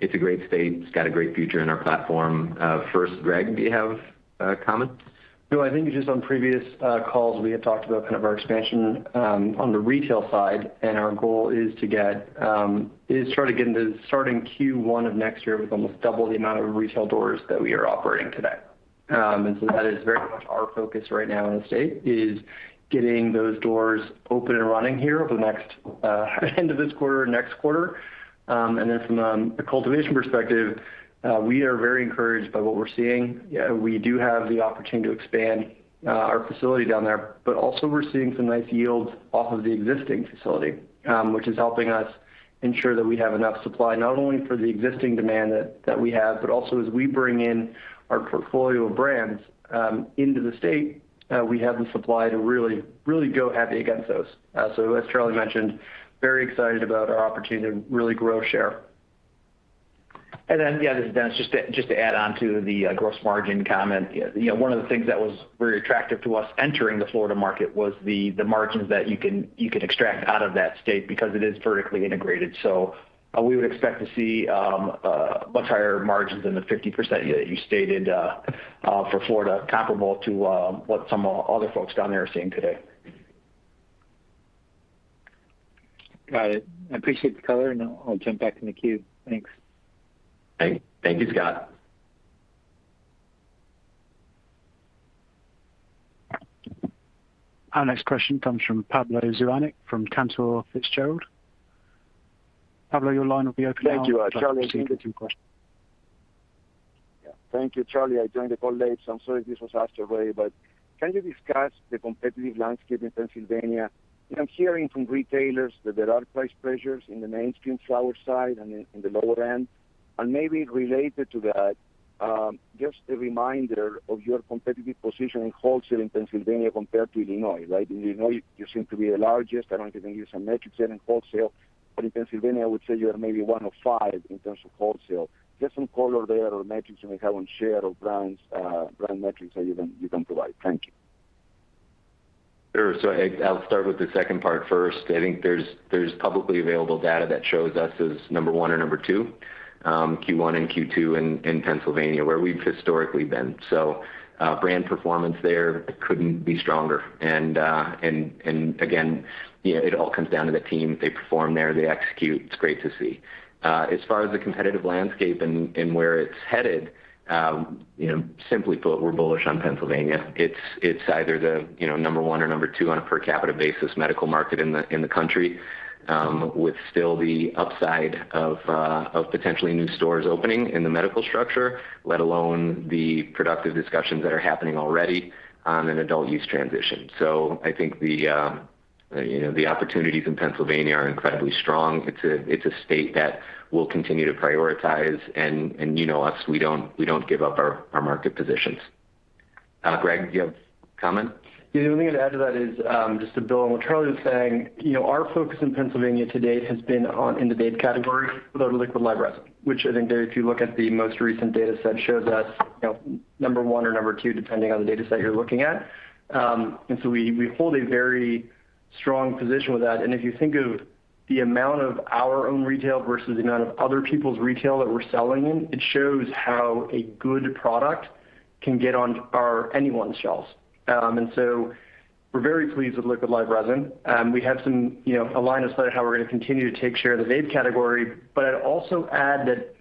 It's a great state. It's got a great future in our platform. First, Greg, do you have a comment? No, I think just on previous calls, we had talked about kind of our expansion on the retail side. Our goal is to try to get into starting Q1 of next year with almost double the amount of retail doors that we are operating today. That is very much our focus right now in the state is getting those doors open and running here over the next end of this quarter, next quarter. From a cultivation perspective, we are very encouraged by what we're seeing. We do have the opportunity to expand our facility down there. Also, we're seeing some nice yields off of the existing facility, which is helping us ensure that we have enough supply, not only for the existing demand that we have, but also as we bring in our portfolio of brands into the state, we have the supply to really go heavy against those. As Charlie mentioned, we are very excited about our opportunity to really grow share. This is Dennis. Just to add on to the gross margin comment. One of the things that was very attractive to us entering the Florida market was the margins that you can extract out of that state because it is vertically integrated. We would expect to see much higher margins than the 50% you stated for Florida, comparable to what some other folks down there are seeing today. Got it. I appreciate the color, and I'll jump back in the queue. Thanks. Thank you, Scott. Our next question comes from Pablo Zuanic from Cantor Fitzgerald. Pablo, your line will be open now. Thank you. Please go ahead with your question. Yeah. Thank you, Charlie. I joined the call late, so I'm sorry if this was asked already, can you discuss the competitive landscape in Pennsylvania? I'm hearing from retailers that there are price pressures in the mainstream flower side and in the lower end. Maybe related to that, just a reminder of your competitive position in wholesale in Pennsylvania compared to Illinois, right? In Illinois, you seem to be the largest. I don't think I can use some metrics there in wholesale. In Pennsylvania, I would say you are maybe one of five in terms of wholesale. Just some color there or metrics you may have on share or brand metrics that you can provide. Thank you. Sure. I'll start with the second part first. I think there's publicly available data that shows us as number 1 or number 2, Q1 and Q2 in Pennsylvania, where we've historically been. Brand performance there couldn't be stronger. Again, it all comes down to the team. They perform there, they execute. It's great to see. As far as the competitive landscape and where it's headed, simply put, we're bullish on Pennsylvania. It's either the number 1 or number 2 on a per capita basis medical market in the country, with still the upside of potentially new stores opening in the medical structure, let alone the productive discussions that are happening already on an adult use transition. I think the opportunities in Pennsylvania are incredibly strong. It's a state that we'll continue to prioritize, you know us, we don't give up our market positions. Greg, do you have a comment? Yeah, the only thing I'd add to that is, just to build on what Charlie was saying, our focus in Pennsylvania to date has been on in the vape category with our Liquid Live Resin. Which I think if you look at the most recent data set, shows us number one or number two, depending on the data set you're looking at. We hold a very strong position with that, and if you think of the amount of our own retail versus the amount of other people's retail that we're selling in, it shows how a good product can get on anyone's shelves. We're very pleased with Liquid Live Resin. We have a line of sight of how we're going to continue to take share of the vape category, I'd also add that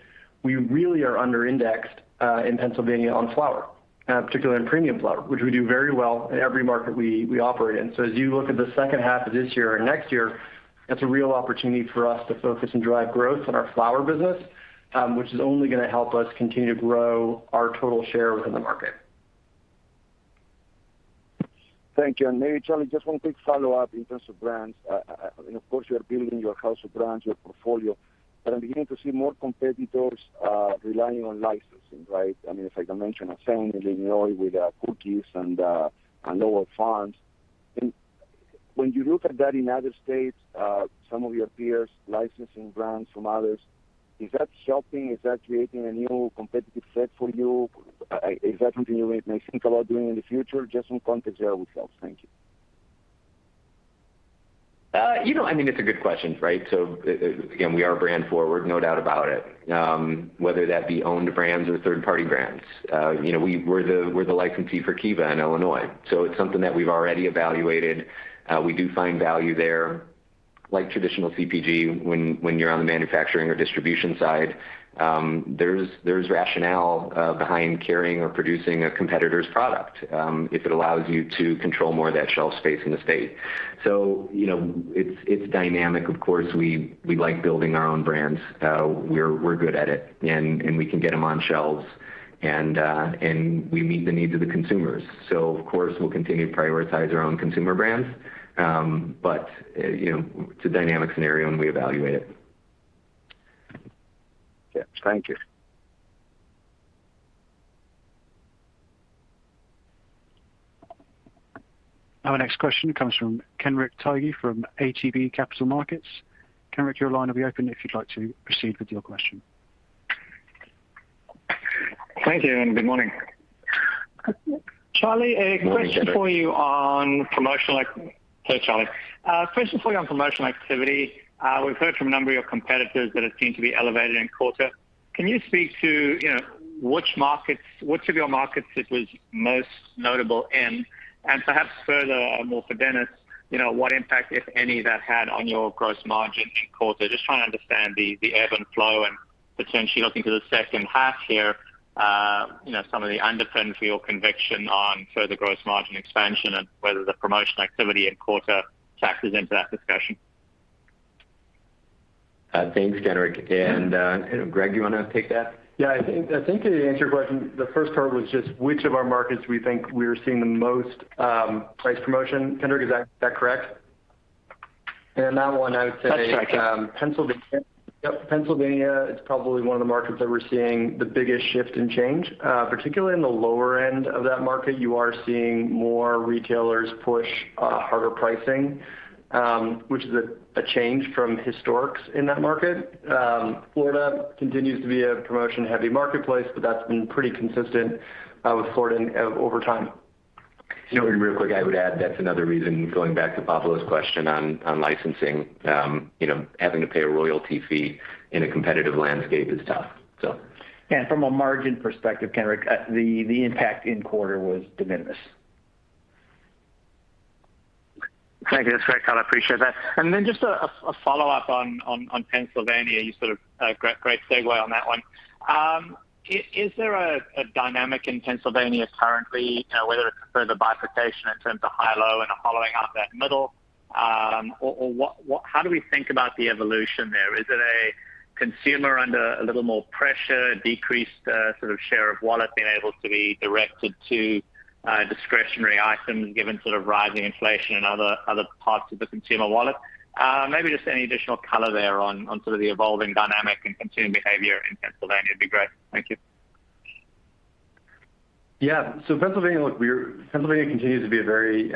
we really are under-indexed in Pennsylvania on flower, particularly on premium flower, which we do very well in every market we operate in. As you look at the second half of this year and next year, that's a real opportunity for us to focus and drive growth in our flower business, which is only going to help us continue to grow our total share within the market. Thank you. Maybe Charlie, just one quick follow-up in terms of brands. Of course, you are building your house of brands, your portfolio, but I'm beginning to see more competitors relying on licensing, right? If I can mention Ascend in Illinois with Cookies and Lowell Farms. When you look at that in other states, some of your peers licensing brands from others, is that helping? Is that creating a new competitive set for you? Is that something you may think about doing in the future? Just some context there would help. Thank you. It's a good question, right? Again, we are brand forward, no doubt about it. Whether that be owned brands or third-party brands. We're the licensee for Kiva in Illinois, so it's something that we've already evaluated. We do find value there. Like traditional CPG, when you're on the manufacturing or distribution side, there's rationale behind carrying or producing a competitor's product, if it allows you to control more of that shelf space in the state. It's dynamic. Of course, we like building our own brands. We're good at it, and we can get them on shelves, and we meet the needs of the consumers. Of course, we'll continue to prioritize our own consumer brands. It's a dynamic scenario, and we evaluate it. Yeah. Thank you. Our next question comes from Kenric Tyghe from ATB Capital Markets. Kenric, your line will be open if you'd like to proceed with your question. Thank you, and good morning. Morning. Hey, Charlie. A question for you on promotional activity. We've heard from a number of your competitors that it seemed to be elevated in quarter. Can you speak to which of your markets it was most notable in? Perhaps further, more for Dennis, what impact, if any, that had on your gross margin in quarter? Just trying to understand the ebb and flow and potentially looking to the second half here, some of the underpinning for your conviction on further gross margin expansion and whether the promotional activity in quarter factors into that discussion. Thanks, Kenric. Greg, you want to take that? Yeah. I think to answer your question, the first part was just which of our markets we think we're seeing the most price promotion. Kenric, is that correct? That's correct. On that one, I would say Pennsylvania. Yep, Pennsylvania is probably one of the markets that we're seeing the biggest shift in change. Particularly in the lower end of that market, you are seeing more retailers push harder pricing, which is a change from historics in that market. Florida continues to be a promotion-heavy marketplace, that's been pretty consistent with Florida over time. Real quick, I would add, that's another reason, going back to Pablo's question on licensing. Having to pay a royalty fee in a competitive landscape is tough. From a margin perspective, Kenric, the impact in quarter was de minimis. Thank you. That's great color. I appreciate that. Just a follow-up on Pennsylvania. You sort of Great segue on that one. Is there a dynamic in Pennsylvania currently, whether it's a further bifurcation in terms of high, low, and a hollowing out that middle? How do we think about the evolution there? Is it a consumer under a little more pressure, decreased sort of share of wallet being able to be directed to discretionary items given sort of rising inflation in other parts of the consumer wallet? Maybe just any additional color there on sort of the evolving dynamic in consumer behavior in Pennsylvania would be great. Thank you. Pennsylvania continues to be a very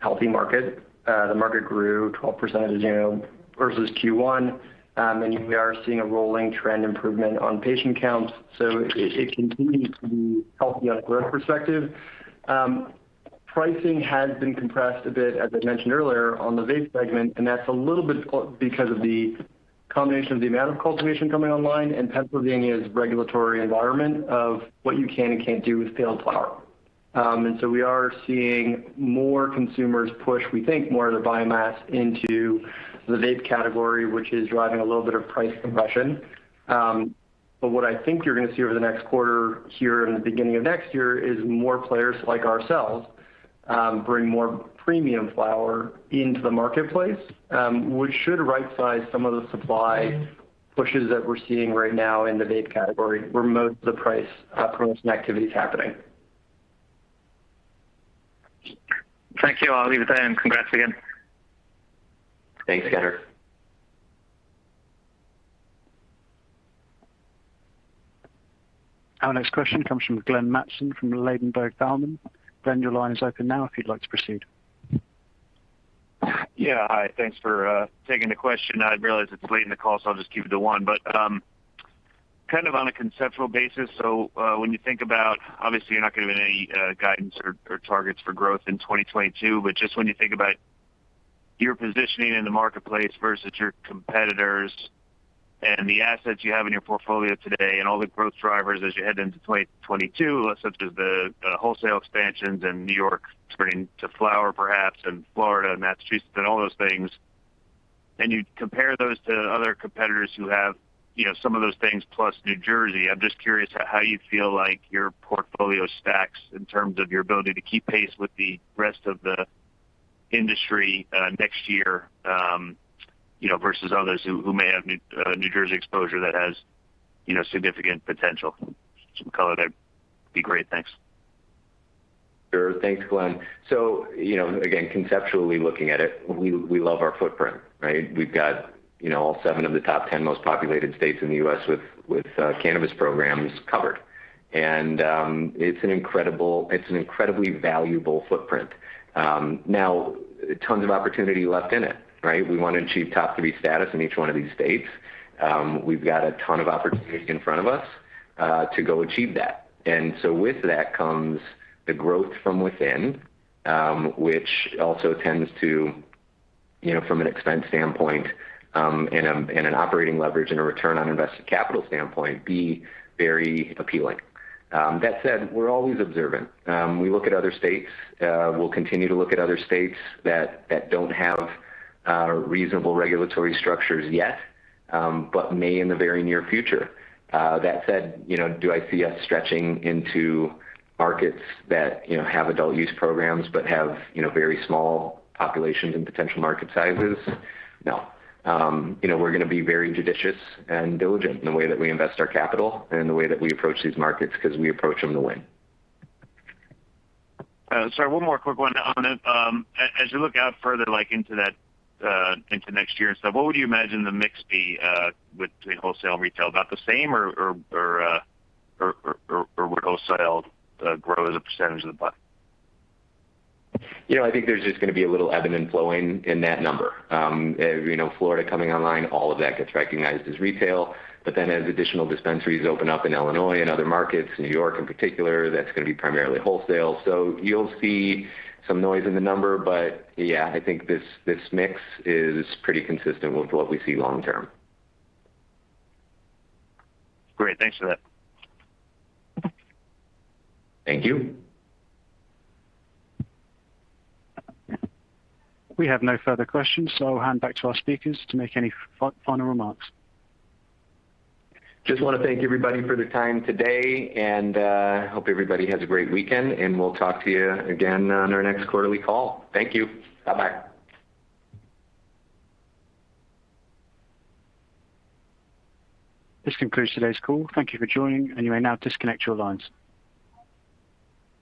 healthy market. The market grew 12% versus Q1, we are seeing a rolling trend improvement on patient counts. It continues to be healthy on a growth perspective. Pricing has been compressed a bit, as I mentioned earlier, on the vape segment, that's a little bit because of the combination of the amount of cultivation coming online and Pennsylvania's regulatory environment of what you can and can't do with [failed flower]. We are seeing more consumers push, we think, more of their biomass into the vape category, which is driving a little bit of price compression. What I think you're going to see over the next quarter here in the beginning of next year is more players like ourselves bring more premium flower into the marketplace, which should rightsize some of the supply pushes that we're seeing right now in the vape category, where most of the price promotion activity is happening. Thank you. I'll leave it there. Congrats again. Thanks, Kenric. Our next question comes from Glenn Mattson from Ladenburg Thalmann. Glenn, your line is open now if you'd like to proceed. Yeah. Hi, thanks for taking the question. I realize it's late in the call, so I'll just keep it to one. Kind of on a conceptual basis, when you think about Obviously, you're not giving any guidance or targets for growth in 2022, but just when you think about your positioning in the marketplace versus your competitors and the assets you have in your portfolio today and all the growth drivers as you head into 2022, such as the wholesale expansions in New York spreading to flower perhaps, and Florida and Massachusetts and all those things, and you compare those to other competitors who have some of those things plus New Jersey, I'm just curious how you feel like your portfolio stacks in terms of your ability to keep pace with the rest of the industry next year versus others who may have New Jersey exposure that has significant potential? Some color there would be great. Thanks. Sure. Thanks, Glenn. Again, conceptually looking at it, we love our footprint, right? We've got all seven of the top 10 most populated states in the U.S. with cannabis programs covered. It's an incredibly valuable footprint. Now, tons of opportunity left in it, right? We want to achieve top 3 status in each one of these states. We've got a ton of opportunity in front of us to go achieve that. With that comes the growth from within, which also tends to, from an expense standpoint, in an operating leverage and a return on invested capital standpoint, be very appealing. That said, we're always observant. We look at other states. We'll continue to look at other states that don't have reasonable regulatory structures yet, but may in the very near future. That said, do I see us stretching into markets that have adult use programs but have very small populations and potential market sizes? No. We're going to be very judicious and diligent in the way that we invest our capital, and the way that we approach these markets, because we approach them to win. Sorry, one more quick one. On it, as you look out further into next year and stuff, what would you imagine the mix be between wholesale and retail? About the same, or would wholesale grow as a percentage of the pie? I think there's just going to be a little ebb and flowing in that number. Florida coming online, all of that gets recognized as retail, but then as additional dispensaries open up in Illinois and other markets, New York in particular, that's going to be primarily wholesale. You'll see some noise in the number, but yeah, I think this mix is pretty consistent with what we see long term. Great. Thanks for that. Thank you. We have no further questions, so I'll hand back to our speakers to make any final remarks. Just want to thank everybody for their time today, and hope everybody has a great weekend, and we'll talk to you again on our next quarterly call. Thank you. Bye-bye. This concludes today's call. Thank you for joining, and you may now disconnect your lines.